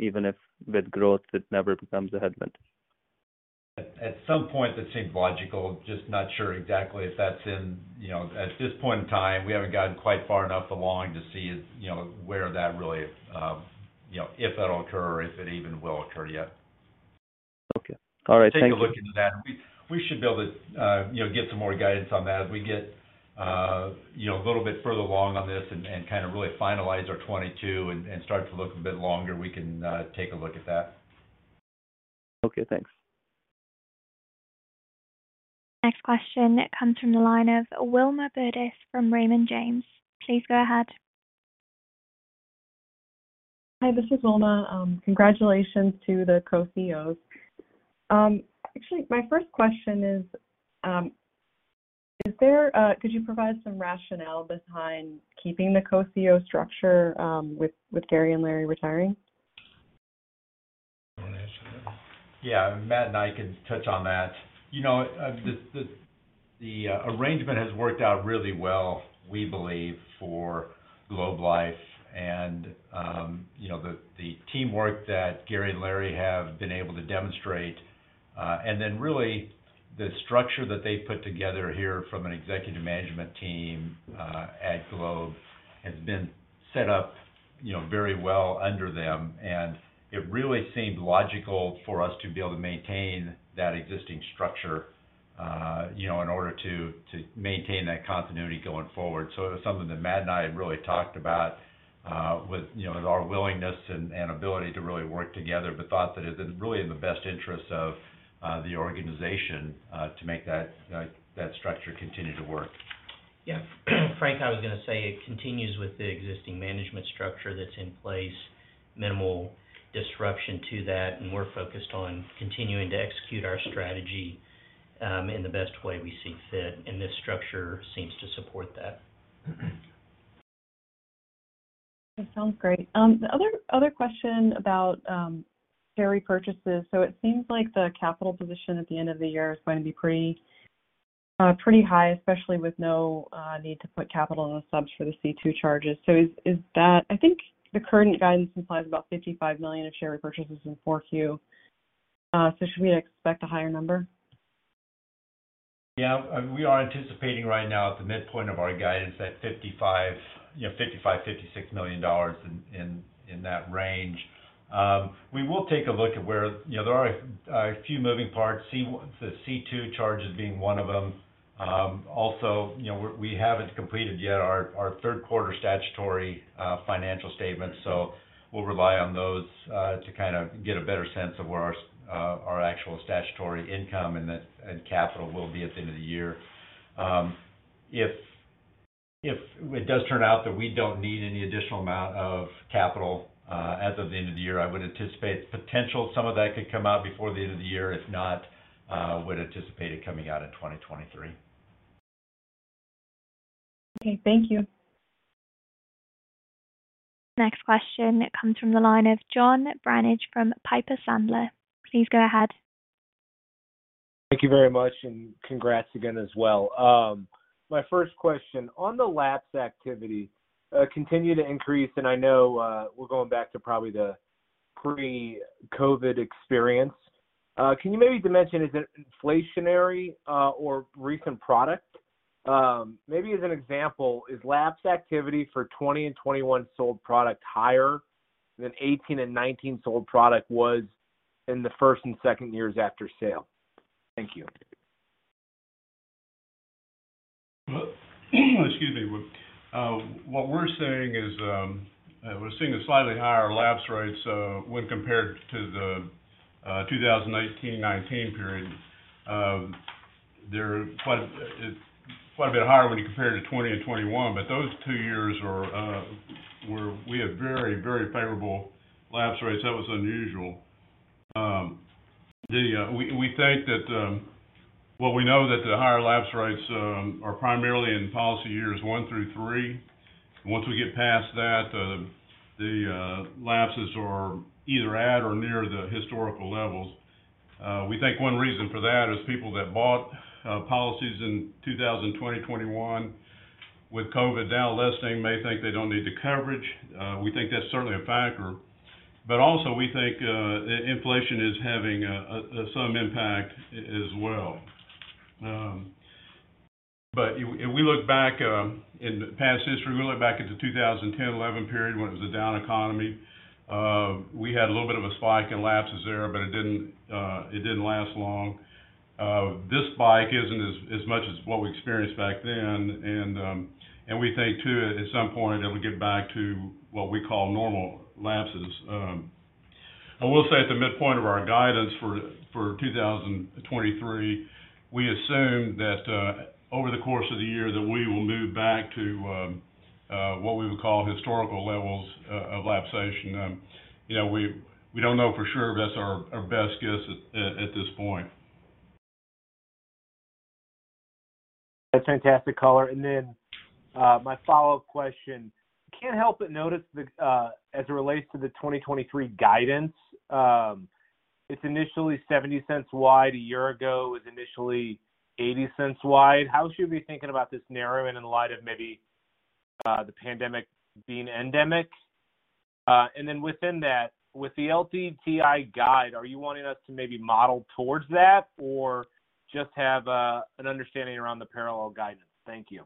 Even if with growth, it never becomes a headwind. At some point, that seems logical. Just not sure exactly if that's in, you know, at this point in time, we haven't gotten quite far enough along to see, you know, where that really, you know, if that'll occur or if it even will occur yet. Okay. All right. Thank you. Take a look into that. We should be able to, you know, get some more guidance on that as we get, you know, a little bit further along on this and kind of really finalize our 2022 and start to look a bit longer, we can take a look at that. Okay, thanks. Next question comes from the line of Wilma Burdis from Raymond James. Please go ahead. Hi, this is Wilma. Congratulations to the Co-CEOs. Actually, my first question is, could you provide some rationale behind keeping the Co-CEO structure with Gary and Larry retiring? You want to answer that? Yeah. Matt and I can touch on that. You know, the arrangement has worked out really well, we believe, for Globe Life and, you know, the teamwork that Gary and Larry have been able to demonstrate, and then really the structure that they put together here from an executive management team at Globe has been set up, you know, very well under them. It really seemed logical for us to be able to maintain that existing structure, you know, in order to maintain that continuity going forward. It was something that Matt and I had really talked about with, you know, with our willingness and ability to really work together, but thought that it's really in the best interest of the organization to make that structure continue to work. Yeah. Frank, I was going to say it continues with the existing management structure that's in place, minimal disruption to that, and we're focused on continuing to execute our strategy, in the best way we see fit, and this structure seems to support that. That sounds great. The other question about share repurchases. It seems like the capital position at the end of the year is going to be pretty high, especially with no need to put capital in the subs for the C2 charges. Is that. I think the current guidance implies about $55 million of share repurchases in 4Q. Should we expect a higher number? Yeah. We are anticipating right now at the midpoint of our guidance that $55 million-$56 million in that range. We will take a look at where, you know, there are a few moving parts, the C2 charges being one of them. Also, you know, we haven't completed yet our third quarter statutory financial statements, so we'll rely on those to kind of get a better sense of where our actual statutory income and capital will be at the end of the year. If it does turn out that we don't need any additional amount of capital as of the end of the year, I would anticipate potential some of that could come out before the end of the year. If not, would anticipate it coming out in 2023. Okay. Thank you. Next question comes from the line of John Barnidge from Piper Sandler. Please go ahead. Thank you very much, and congrats again as well. My first question, on the lapse activity, continue to increase, and I know, we're going back to probably the pre-COVID experience. Can you maybe dimension, is it inflationary, or recent product? Maybe as an example, is lapse activity for 2020 and 2021 sold product higher than 2018 and 2019 sold product was in the first and second years after sale? Thank you. Well, excuse me. What we're saying is, we're seeing slightly higher lapse rates when compared to the 2018, 2019 period. They're quite a bit higher when you compare to 2020 and 2021, but those two years we had very, very favorable lapse rates. That was unusual. We think that, well we know that the higher lapse rates are primarily in policy years one through three. Once we get past that, the lapses are either at or near the historical levels. We think one reason for that is people that bought policies in 2020, 2021 with COVID now lapsing may think they don't need the coverage. We think that's certainly a factor. Also we think that inflation is having some impact as well. We look back in past history, we look back at the 2010-11 period when it was a down economy, we had a little bit of a spike in lapses there, but it didn't last long. This spike isn't as much as what we experienced back then. We think too, at some point it'll get back to what we call normal lapses. I will say at the midpoint of our guidance for 2023, we assume that over the course of the year that we will move back to what we would call historical levels of lapse. You know, we don't know for sure. That's our best guess at this point. That's fantastic color. My follow-up question, can't help but notice the, as it relates to the 2023 guidance, it's initially $0.70 wide. A year ago, it was initially $0.80 wide. How should we be thinking about this narrowing in light of maybe the pandemic being endemic? Within that, with the LDTI guide, are you wanting us to maybe model towards that or just have an understanding around the parallel guidance? Thank you.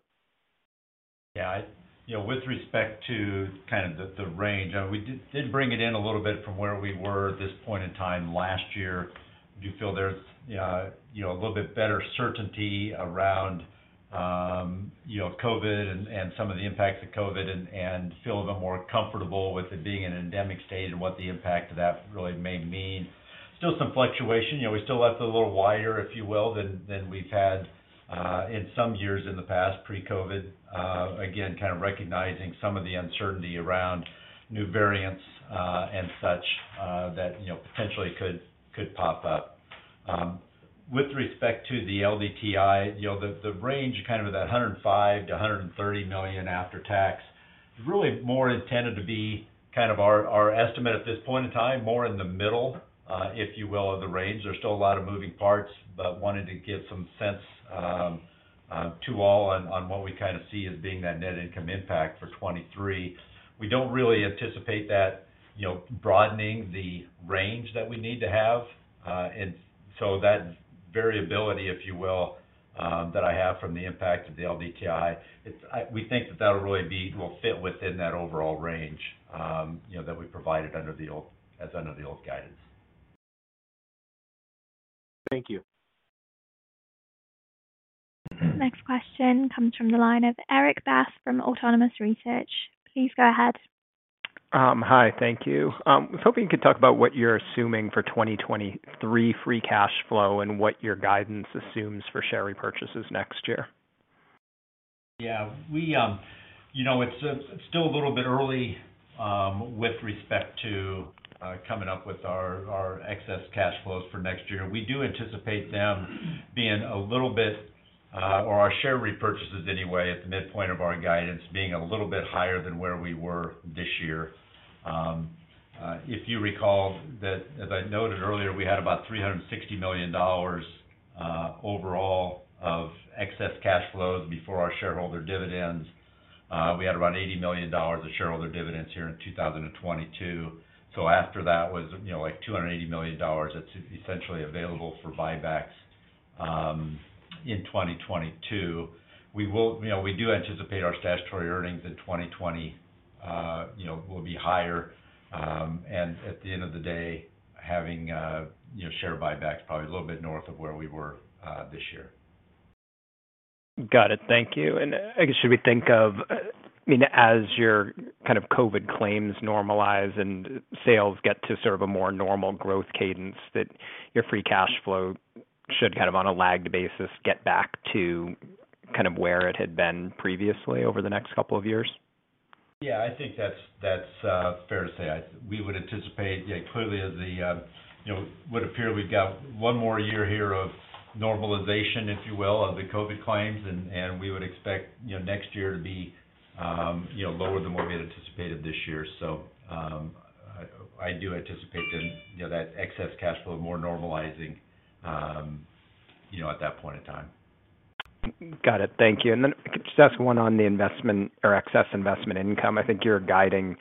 Yeah. You know, with respect to kind of the range, we did bring it in a little bit from where we were at this point in time last year. Do feel there's, you know, a little bit better certainty around, you know, COVID and some of the impacts of COVID and feel a bit more comfortable with it being an endemic state and what the impact of that really may mean. Still some fluctuation. You know, we still left it a little wider, if you will, than we've had in some years in the past pre-COVID. Again, kind of recognizing some of the uncertainty around new variants and such that, you know, potentially could pop up. With respect to the LDTI, you know, the range kind of that $105 million-$130 million after tax is really more intended to be kind of our estimate at this point in time, more in the middle, if you will, of the range. There's still a lot of moving parts, but wanted to give some sense to all on what we kind of see as being that net income impact for 2023. We don't really anticipate that, you know, broadening the range that we need to have. That variability, if you will, that I have from the impact of the LDTI, we think that that'll really be will fit within that overall range, you know, that we provided under the old guidance. Thank you. Next question comes from the line of Erik Bass from Autonomous Research. Please go ahead. Hi. Thank you. I was hoping you could talk about what you're assuming for 2023 free cash flow and what your guidance assumes for share repurchases next year? Yeah. We, you know, it's still a little bit early with respect to coming up with our excess cash flows for next year. We do anticipate them being a little bit or our share repurchases anyway at the midpoint of our guidance being a little bit higher than where we were this year. If you recall that, as I noted earlier, we had about $360 million overall of excess cash flows before our shareholder dividends. We had around $80 million of shareholder dividends here in 2022. After that was, you know, like $280 million that's essentially available for buybacks in 2022. We will, you know, we do anticipate our statutory earnings in 2020 will be higher. At the end of the day, having you know, share buybacks probably a little bit north of where we were this year. Got it. Thank you. I guess should we think of, I mean, as your kind of COVID claims normalize and sales get to sort of a more normal growth cadence that your free cash flow should kind of on a lagged basis get back to kind of where it had been previously over the next couple of years? Yeah, I think that's fair to say. We would anticipate, yeah, clearly the, you know, it would appear we've got one more year here of normalization, if you will, of the COVID claims, and we would expect, you know, next year to be, you know, lower than what we had anticipated this year. So, I do anticipate in, you know, that excess cash flow more normalizing, you know, at that point in time. Got it. Thank you. Then if I could just ask one on the investment or excess investment income. I think you're guiding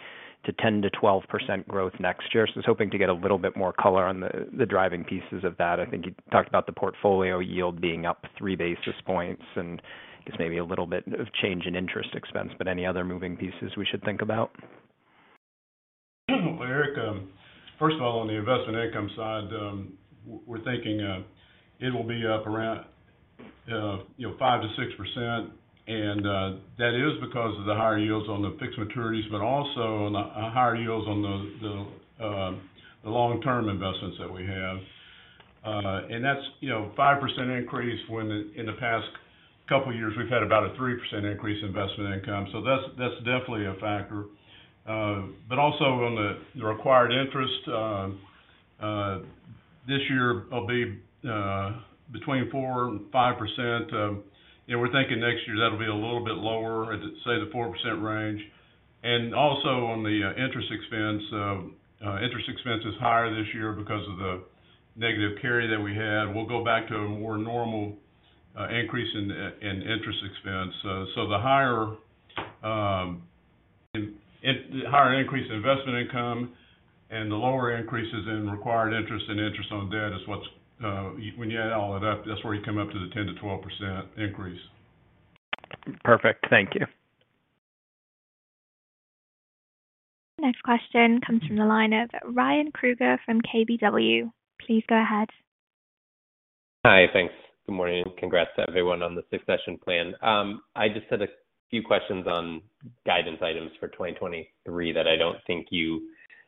to 10%-12% growth next year. I was hoping to get a little bit more color on the driving pieces of that. I think you talked about the portfolio yield being up three basis points and I guess maybe a little bit of change in interest expense, but any other moving pieces we should think about? Well, Eric, first of all, on the investment income side, we're thinking it will be up around, you know, 5%-6%, and that is because of the higher yields on the fixed maturities, but also on the higher yields on the long-term investments that we have. That's, you know, 5% increase when in the past couple years we've had about a 3% increase in investment income. That's definitely a factor. Also on the required interest, this year will be between 4% and 5%. We're thinking next year that'll be a little bit lower at, say, the 4% range. Also on the interest expense. Interest expense is higher this year because of the negative carry that we had. We'll go back to a more normal increase in interest expense. The higher increase in investment income and the lower increases in required interest and interest on debt is what's, when you add all of that's where you come up to the 10%-12% increase. Perfect. Thank you. Next question comes from the line of Ryan Krueger from KBW. Please go ahead. Hi. Thanks. Good morning, and congrats to everyone on the succession plan. I just had a few questions on guidance items for 2023 that I don't think you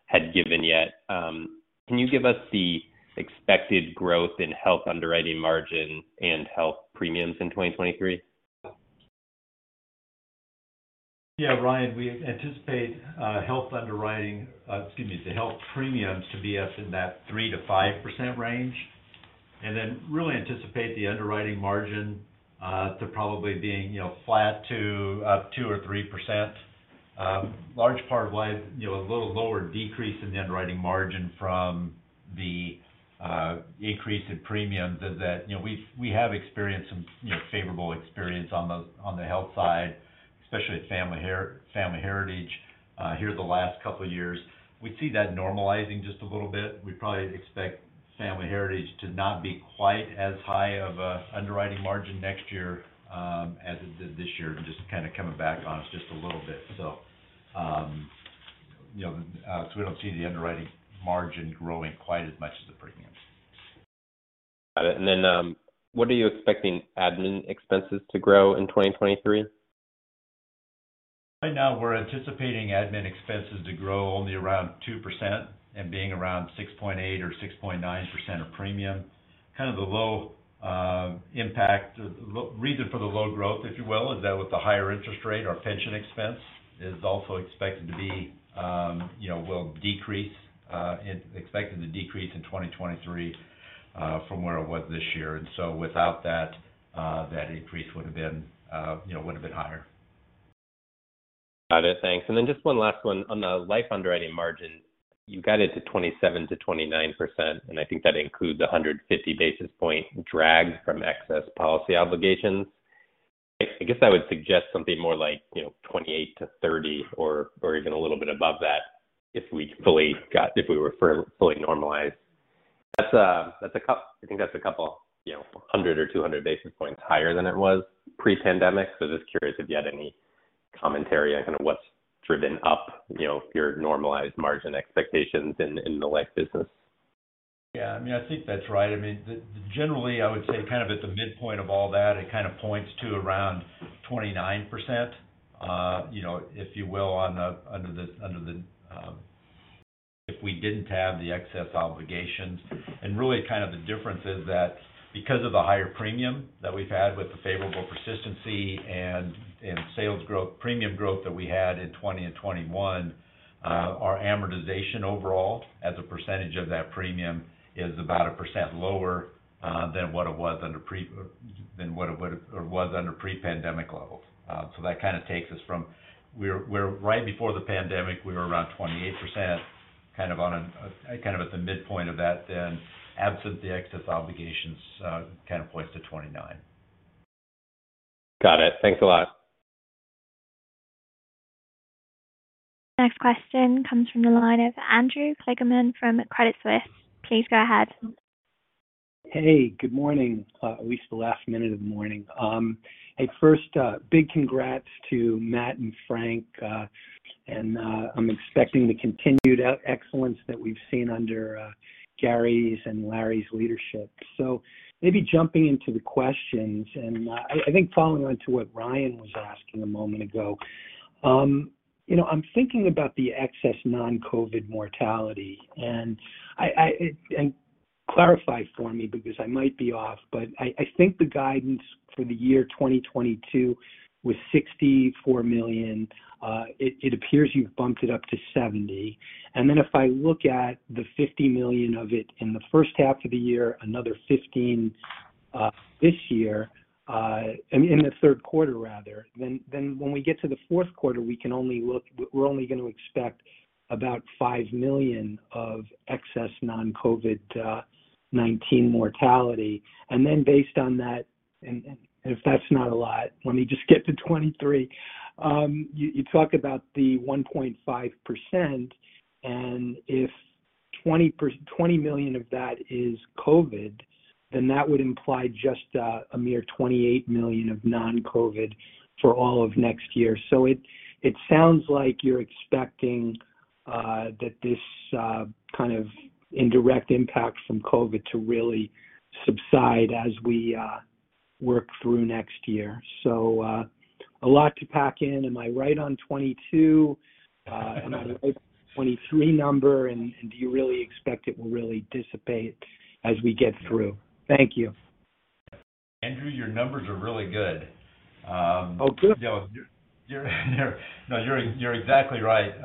had given yet. Can you give us the expected growth in health underwriting margin and health premiums in 2023? Yeah. Ryan, we anticipate, excuse me, the health premiums to be up in that 3%-5% range, and then really anticipate the underwriting margin to probably being, you know, flat to 2% or 3%. Large part why, you know, a little lower decrease in the underwriting margin from the increase in premiums is that, you know, we have experienced some, you know, favorable experience on the health side, especially at Family Heritage, over the last couple years. We see that normalizing just a little bit. We probably expect Family Heritage to not be quite as high of a underwriting margin next year, as it did this year, just kind of coming back on us just a little bit. you know, so we don't see the underwriting margin growing quite as much as the premiums. Got it. What are you expecting admin expenses to grow in 2023? Right now we're anticipating admin expenses to grow only around 2% and being around 6.8% or 6.9% of premium. Kind of the low impact. The reason for the low growth, if you will, is that with the higher interest rate, our pension expense is also expected to be, you know, will decrease, expected to decrease in 2023 from where it was this year. Without that increase would have been, you know, would have been higher. Got it. Thanks. Then just one last one on the life underwriting margin. You've got it to 27%-29%, and I think that includes a 150 basis point drag from excess policy obligations. I guess I would suggest something more like, you know, 28%-30% or even a little bit above that if we fully normalized. That's a couple, you know, 100 basis points or 200 basis points higher than it was pre-pandemic. Just curious if you had any commentary on kind of what's driven up, you know, your normalized margin expectations in the life business. Yeah, I mean, I think that's right. I mean, generally, I would say kind of at the midpoint of all that, it kind of points to around 29%, you know, if you will, on the under the if we didn't have the excess obligations. Really kind of the difference is that because of the higher premium that we've had with the favorable persistency and sales growth, premium growth that we had in 2020 and 2021, our amortization overall as a percentage of that premium is about 1% lower than what it would or was under pre-pandemic levels. That kind of takes us from where we were right before the pandemic, we were around 28%, kind of at the midpoint of that then. Absent the excess obligations, kind of points to 29%. Got it. Thanks a lot. Next question comes from the line of Andrew Kligerman from Credit Suisse. Please go ahead. Hey, good morning, at least the last minute of the morning. Hey, first, big congrats to Matt and Frank, and I'm expecting the continued excellence that we've seen under Gary's and Larry's leadership. Maybe jumping into the questions, and I think following on to what Ryan was asking a moment ago, you know, I'm thinking about the excess non-COVID mortality. Clarify for me because I might be off, but I think the guidance for the year 2022 was $64 million. It appears you've bumped it up to $70 million. If I look at the $50 million of it in the first half of the year, another $15 million this year in the third quarter rather, then when we get to the fourth quarter, we're only going to expect about $5 million of excess non-COVID-19 mortality. Based on that, if that's not a lot, let me just skip to 2023. You talk about the 1.5%, and if $20 million of that is COVID, then that would imply just a mere $28 million of non-COVID for all of next year. It sounds like you're expecting that this kind of indirect impact from COVID to really subside as we work through next year. A lot to pack in. Am I right on 2022? Am I right on the 2023 number, and do you really expect it will really dissipate as we get through? Thank you. Andrew, your numbers are really good. Oh, good. You know, you're exactly right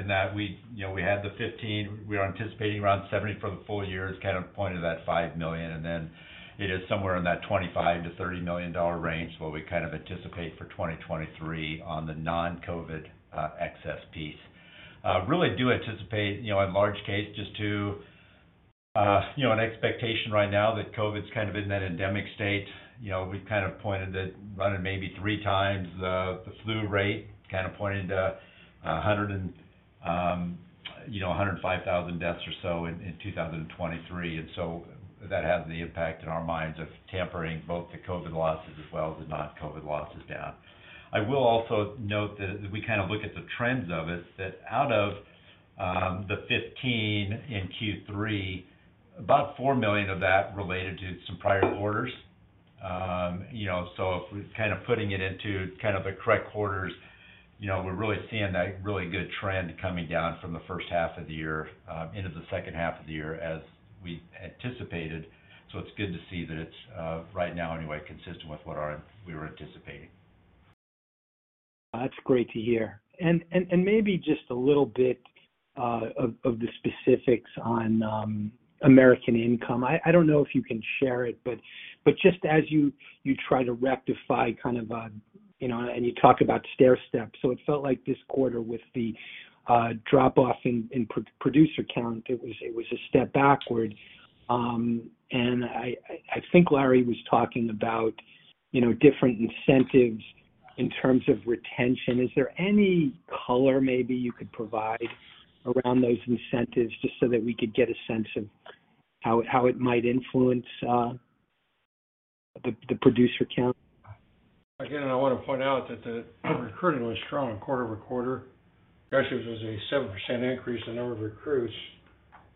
in that we, you know, we had the $15 million, we are anticipating around $70 million for the full year. It's kind of pointed to that $5 million, and then it is somewhere in that $25 million-$30 million range, what we kind of anticipate for 2023 on the non-COVID excess piece. Really do anticipate, you know, in large case just to, you know, an expectation right now that COVID's kind of in that endemic state. You know, we've kind of pointed that running maybe 3x the flu rate, kind of pointing to a hundred and, you know, 105,000 deaths or so in 2023. That has the impact in our minds of tempering both the COVID losses as well as the non-COVID losses down. I will also note that as we kind of look at the trends of it, that out of the $15 million in Q3, about $4 million of that related to some prior quarters. You know, so if we're kind of putting it into kind of the correct quarters, you know, we're really seeing that really good trend coming down from the first half of the year into the second half of the year as we anticipated. It's good to see that it's right now anyway, consistent with what we were anticipating. That's great to hear. Maybe just a little bit of the specifics on American Income. I don't know if you can share it, but just as you try to rectify kind of a you know and you talk about stairstep. It felt like this quarter with the drop-off in producer count, it was a step backward. I think Larry was talking about, you know, different incentives in terms of retention. Is there any color maybe you could provide around those incentives, just so that we could get a sense of how it might influence the producer count? Again, I want to point out that the recruiting was strong quarter-over-quarter. Actually, it was a 7% increase in the number of recruits.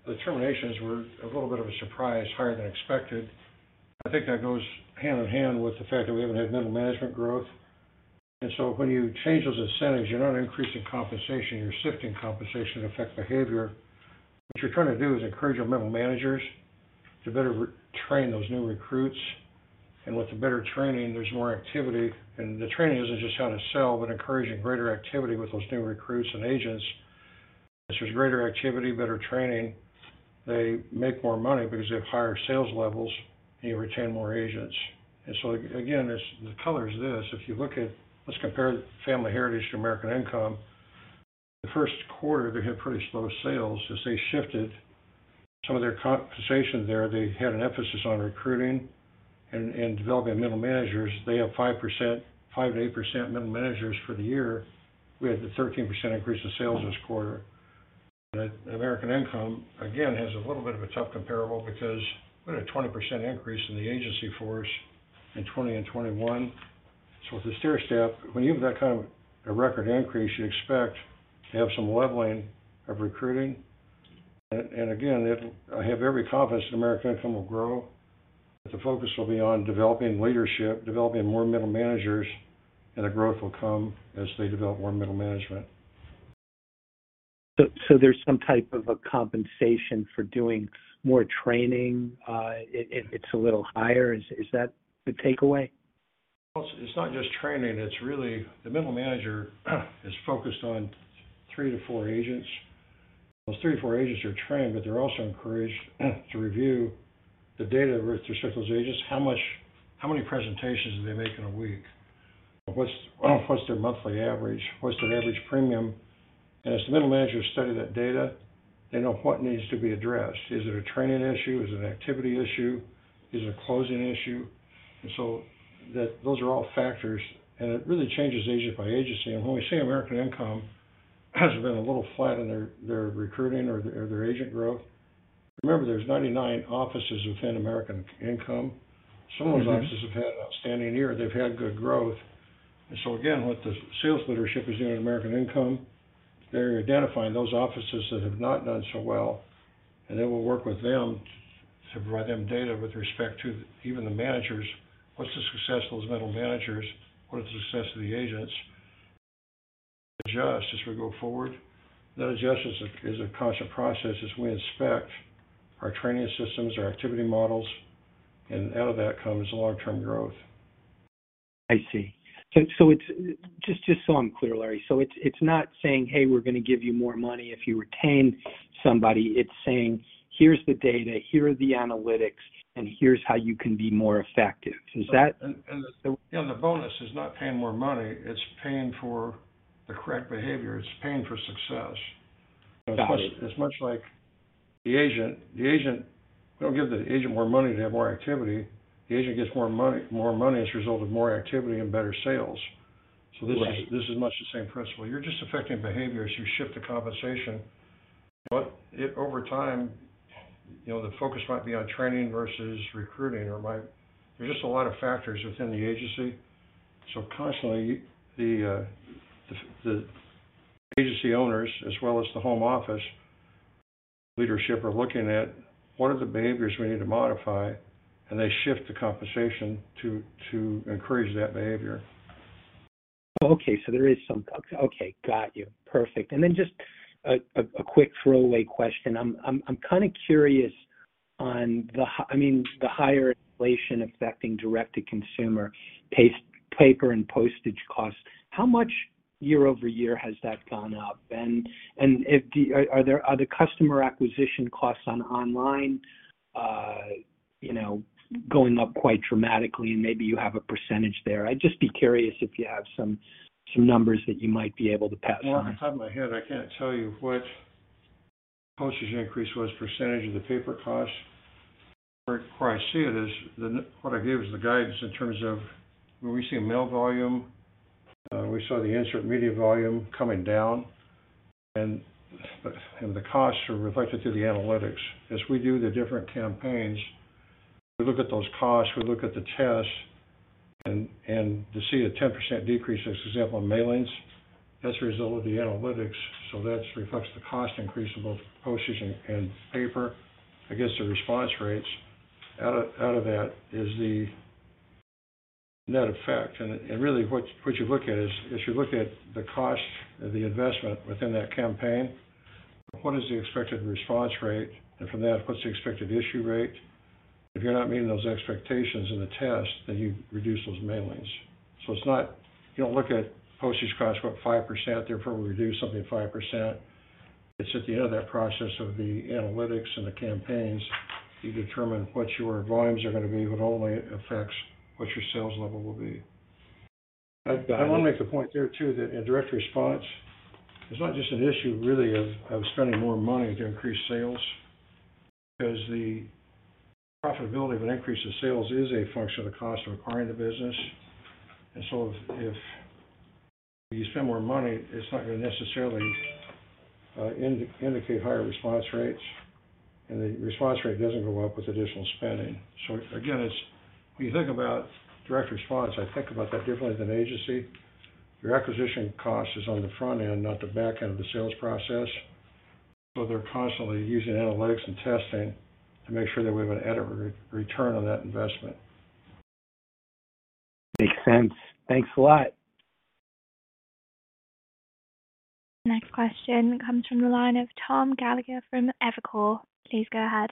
The terminations were a little bit of a surprise, higher than expected. I think that goes hand in hand with the fact that we haven't had middle management growth. When you change those incentives, you're not increasing compensation, you're shifting compensation to affect behavior. What you're trying to do is encourage your middle managers to better re-train those new recruits. With the better training, there's more activity. The training isn't just how to sell, but encouraging greater activity with those new recruits and agents. Since there's greater activity, better training, they make more money because they have higher sales levels, and you retain more agents. This, the color is this: Let's compare Family Heritage to American Income. The first quarter, they had pretty slow sales. As they shifted some of their compensation there, they had an emphasis on recruiting and developing middle managers. They have 5%, 5%-8% middle managers for the year. We had the 13% increase in sales this quarter. The American Income, again, has a little bit of a tough comparable because we had a 20% increase in the agency force in 2020 and 2021. With the stair step, when you have that kind of a record increase, you expect to have some leveling of recruiting. Again, if I have every confidence that American Income will grow, but the focus will be on developing leadership, developing more middle managers, and the growth will come as they develop more middle management. There's some type of a compensation for doing more training, it's a little higher. Is that the takeaway? Well, it's not just training, it's really the middle manager is focused on three to four agents. Those three to four agents are trained, but they're also encouraged to review the data with respect to those agents, how many presentations did they make in a week? What's their monthly average? What's their average premium? And as the middle managers study that data, they know what needs to be addressed. Is it a training issue? Is it an activity issue? Is it a closing issue? And so those are all factors, and it really changes agency by agency. When we say American Income has been a little flat in their recruiting or their agent growth, remember, there's 99 offices within American Income. Mm-hmm. Some of those offices have had an outstanding year. They've had good growth. Again, what the sales leadership is doing at American Income, they're identifying those offices that have not done so well, and they will work with them to provide them data with respect to even the managers. What's the success of those middle managers? What is the success of the agents? Adjust as we go forward. That adjustment is a constant process as we inspect our training systems, our activity models, and out of that comes long-term growth. I see. It's just so I'm clear, Larry. It's not saying, "Hey, we're going to give you more money if you retain somebody." It's saying, "Here's the data, here are the analytics, and here's how you can be more effective." Is that? The bonus is not paying more money, it's paying for the correct behavior. It's paying for success. Got it. As much like the agent. The agent, you don't give the agent more money to have more activity. The agent gets more money as a result of more activity and better sales. Right. This is much the same principle. You're just affecting behavior, so you shift the compensation. But it over time, you know, the focus might be on training versus recruiting or might. There's just a lot of factors within the agency. Constantly, the agency owners as well as the home office leadership are looking at what are the behaviors we need to modify, and they shift the compensation to encourage that behavior. Okay, got you. Perfect. Then just a quick throwaway question. I'm kind of curious on the higher inflation affecting Direct to Consumer paper and postage costs. How much year-over-year has that gone up? And are there other customer acquisition costs online going up quite dramatically, and maybe you have a percentage there. I'd just be curious if you have some numbers that you might be able to pass on. Well, off the top of my head, I can't tell you what the postage increase was, percentage of the paper costs. Where I see it is what I gave is the guidance in terms of when we see a mail volume, we saw the insert media volume coming down, and the costs are reflected through the analytics. As we do the different campaigns, we look at those costs, we look at the tests and to see a 10% decrease, for example, in mailings, that's a result of the analytics. That reflects the cost increase of both postage and paper. I guess the response rates out of that is the net effect. Really what you look at is you look at the cost of the investment within that campaign. What is the expected response rate? From that, what's the expected issue rate? If you're not meeting those expectations in the test, then you reduce those mailings. It's not. You don't look at postage costs went 5%, therefore we reduce something 5%. It's at the end of that process of the analytics and the campaigns. You determine what your volumes are going to be, but only affects what your sales level will be. Got it. I want to make a point there, too, that in direct response, it's not just an issue really of spending more money to increase sales because the profitability of an increase in sales is a function of the cost of acquiring the business. If you spend more money, it's not going to necessarily indicate higher response rates, and the response rate doesn't go up with additional spending. Again, it's when you think about direct response, I think about that differently than agency. Your acquisition cost is on the front end, not the back end of the sales process. They're constantly using analytics and testing to make sure that we have an adequate return on that investment. Makes sense. Thanks a lot. Next question comes from the line of Tom Gallagher from Evercore ISI. Please go ahead.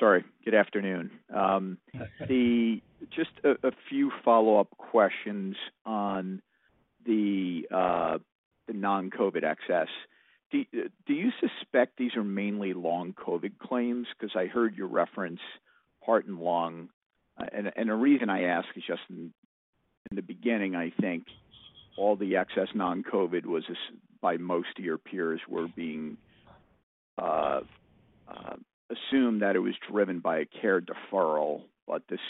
Sorry, good afternoon. Hi. Just a few follow-up questions on the non-COVID excess. Do you suspect these are mainly long COVID claims? Because I heard you reference heart and lung. The reason I ask is just in the beginning, I think all the excess non-COVID was by most of your peers were being assumed that it was driven by a care deferral, but this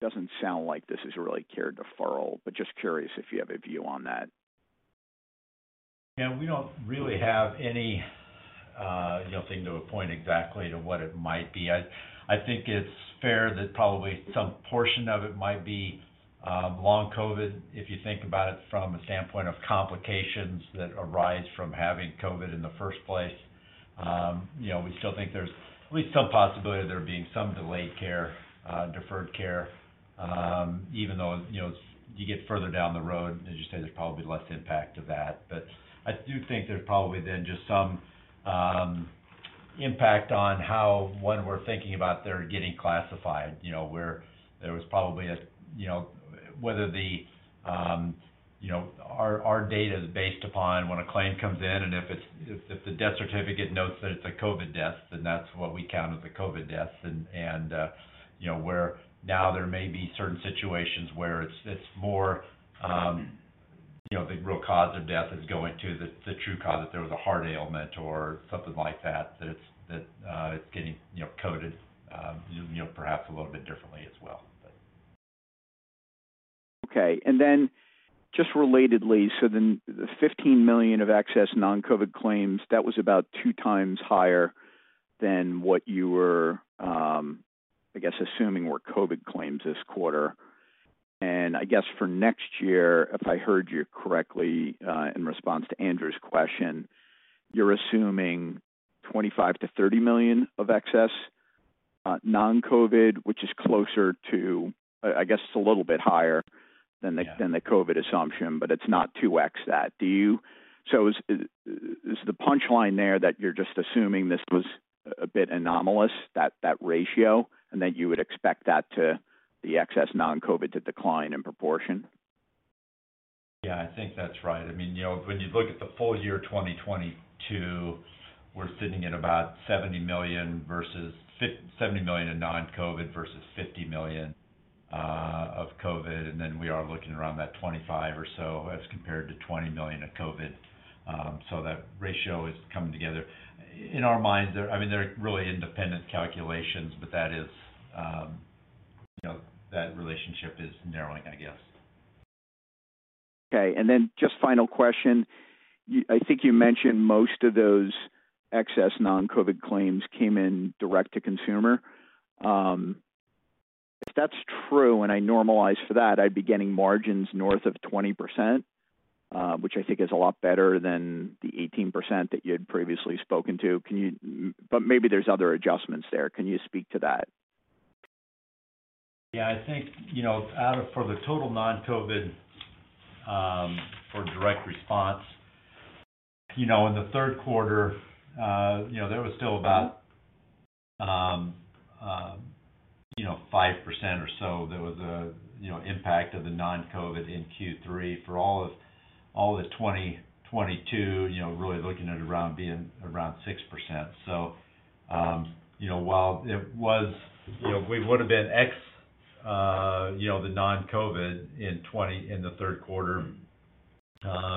doesn't sound like this is really care deferral, but just curious if you have a view on that. Yeah, we don't really have any, you know, thing to point exactly to what it might be. I think it's fair that probably some portion of it might be long COVID, if you think about it from a standpoint of complications that arise from having COVID in the first place. You know, we still think there's at least some possibility of there being some delayed care, deferred care, even though, you know, you get further down the road, as you say, there's probably less impact to that. I do think there's probably then just some impact on how when we're thinking about they're getting classified, you know. Whether our data is based upon when a claim comes in, and if the death certificate notes that it's a COVID death, then that's what we count as a COVID death. You know, where now there may be certain situations where it's more, you know, the real cause of death is going to the true cause, that there was a heart ailment or something like that. That it's getting, you know, coded, you know, perhaps a little bit differently as well. Okay. Just relatedly, the $15 million of excess non-COVID claims, that was about 2x higher than what you were, I guess, assuming were COVID claims this quarter. I guess for next year, if I heard you correctly, in response to Andrew's question, you're assuming $25 million-$30 million of excess non-COVID, which is closer to, I guess it's a little bit higher than the. Yeah. than the COVID assumption, but it's not 2x that. Is the punch line there that you're just assuming this was a bit anomalous, that ratio, and that you would expect that to the excess non-COVID to decline in proportion? Yeah, I think that's right. I mean, you know, when you look at the full year 2022, we're sitting at about $70 million versus $70 million in non-COVID versus $50 million of COVID. Then we are looking around that 25 or so as compared to $20 million of COVID. That ratio is coming together. In our minds, they're really independent calculations, but that is, you know, that relationship is narrowing, I guess. Okay. Then just final question. I think you mentioned most of those excess non-COVID claims came in direct to consumer. If that's true, and I normalize for that, I'd be getting margins north of 20%, which I think is a lot better than the 18% that you had previously spoken to. Maybe there's other adjustments there. Can you speak to that? Yeah, I think you know for the total non-COVID for direct response you know in the third quarter there was still about 5% or so that was impact of the non-COVID in Q3 for all of 2022 you know really looking at around being around 6%. So you know while it was you know we would have been ex the non-COVID in the third quarter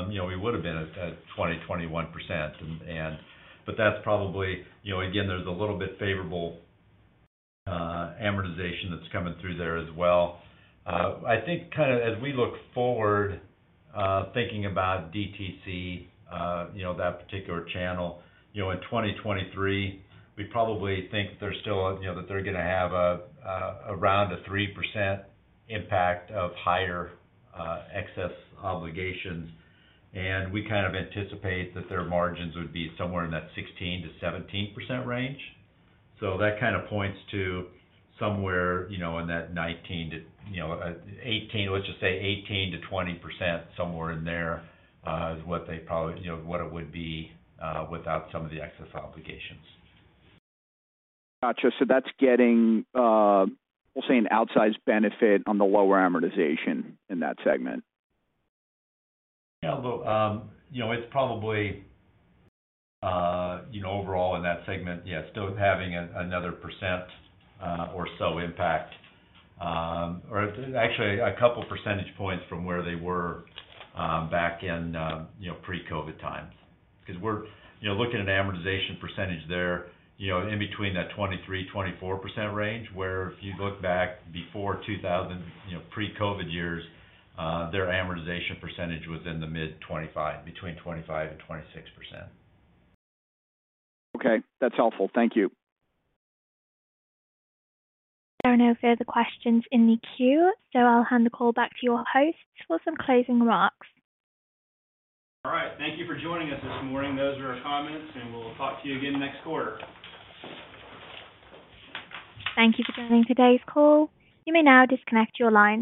you know we would have been at 21%. That's probably you know again there's a little bit favorable amortization that's coming through there as well. I think kind of as we look forward thinking about DTC you know that particular channel. You know, in 2023, we probably think they're still, you know, that they're gonna have around a 3% impact of higher excess obligations. We kind of anticipate that their margins would be somewhere in that 16%-17% range. That kind of points to somewhere, you know, in that 19% to, you know, 18%. Let's just say 18%-20%, somewhere in there, is what they probably, you know, what it would be, without some of the excess obligations. Gotcha. That's getting, we'll say an outsized benefit on the lower amortization in that segment. Yeah. You know, it's probably, you know, overall in that segment, yeah, still having another percent or so impact. Actually a couple percentage points from where they were, back in, you know, pre-COVID times. 'Cause we're, you know, looking at an amortization percentage there, you know, in between that 23%-24% range, where if you look back before 2000, you know, pre-COVID years, their amortization percentage was in the mid-25%, between 25% and 26%. Okay. That's helpful. Thank you. There are no further questions in the queue, so I'll hand the call back to you, host, for some closing remarks. All right. Thank you for joining us this morning. Those are our comments, and we'll talk to you again next quarter. Thank you for joining today's call. You may now disconnect your line.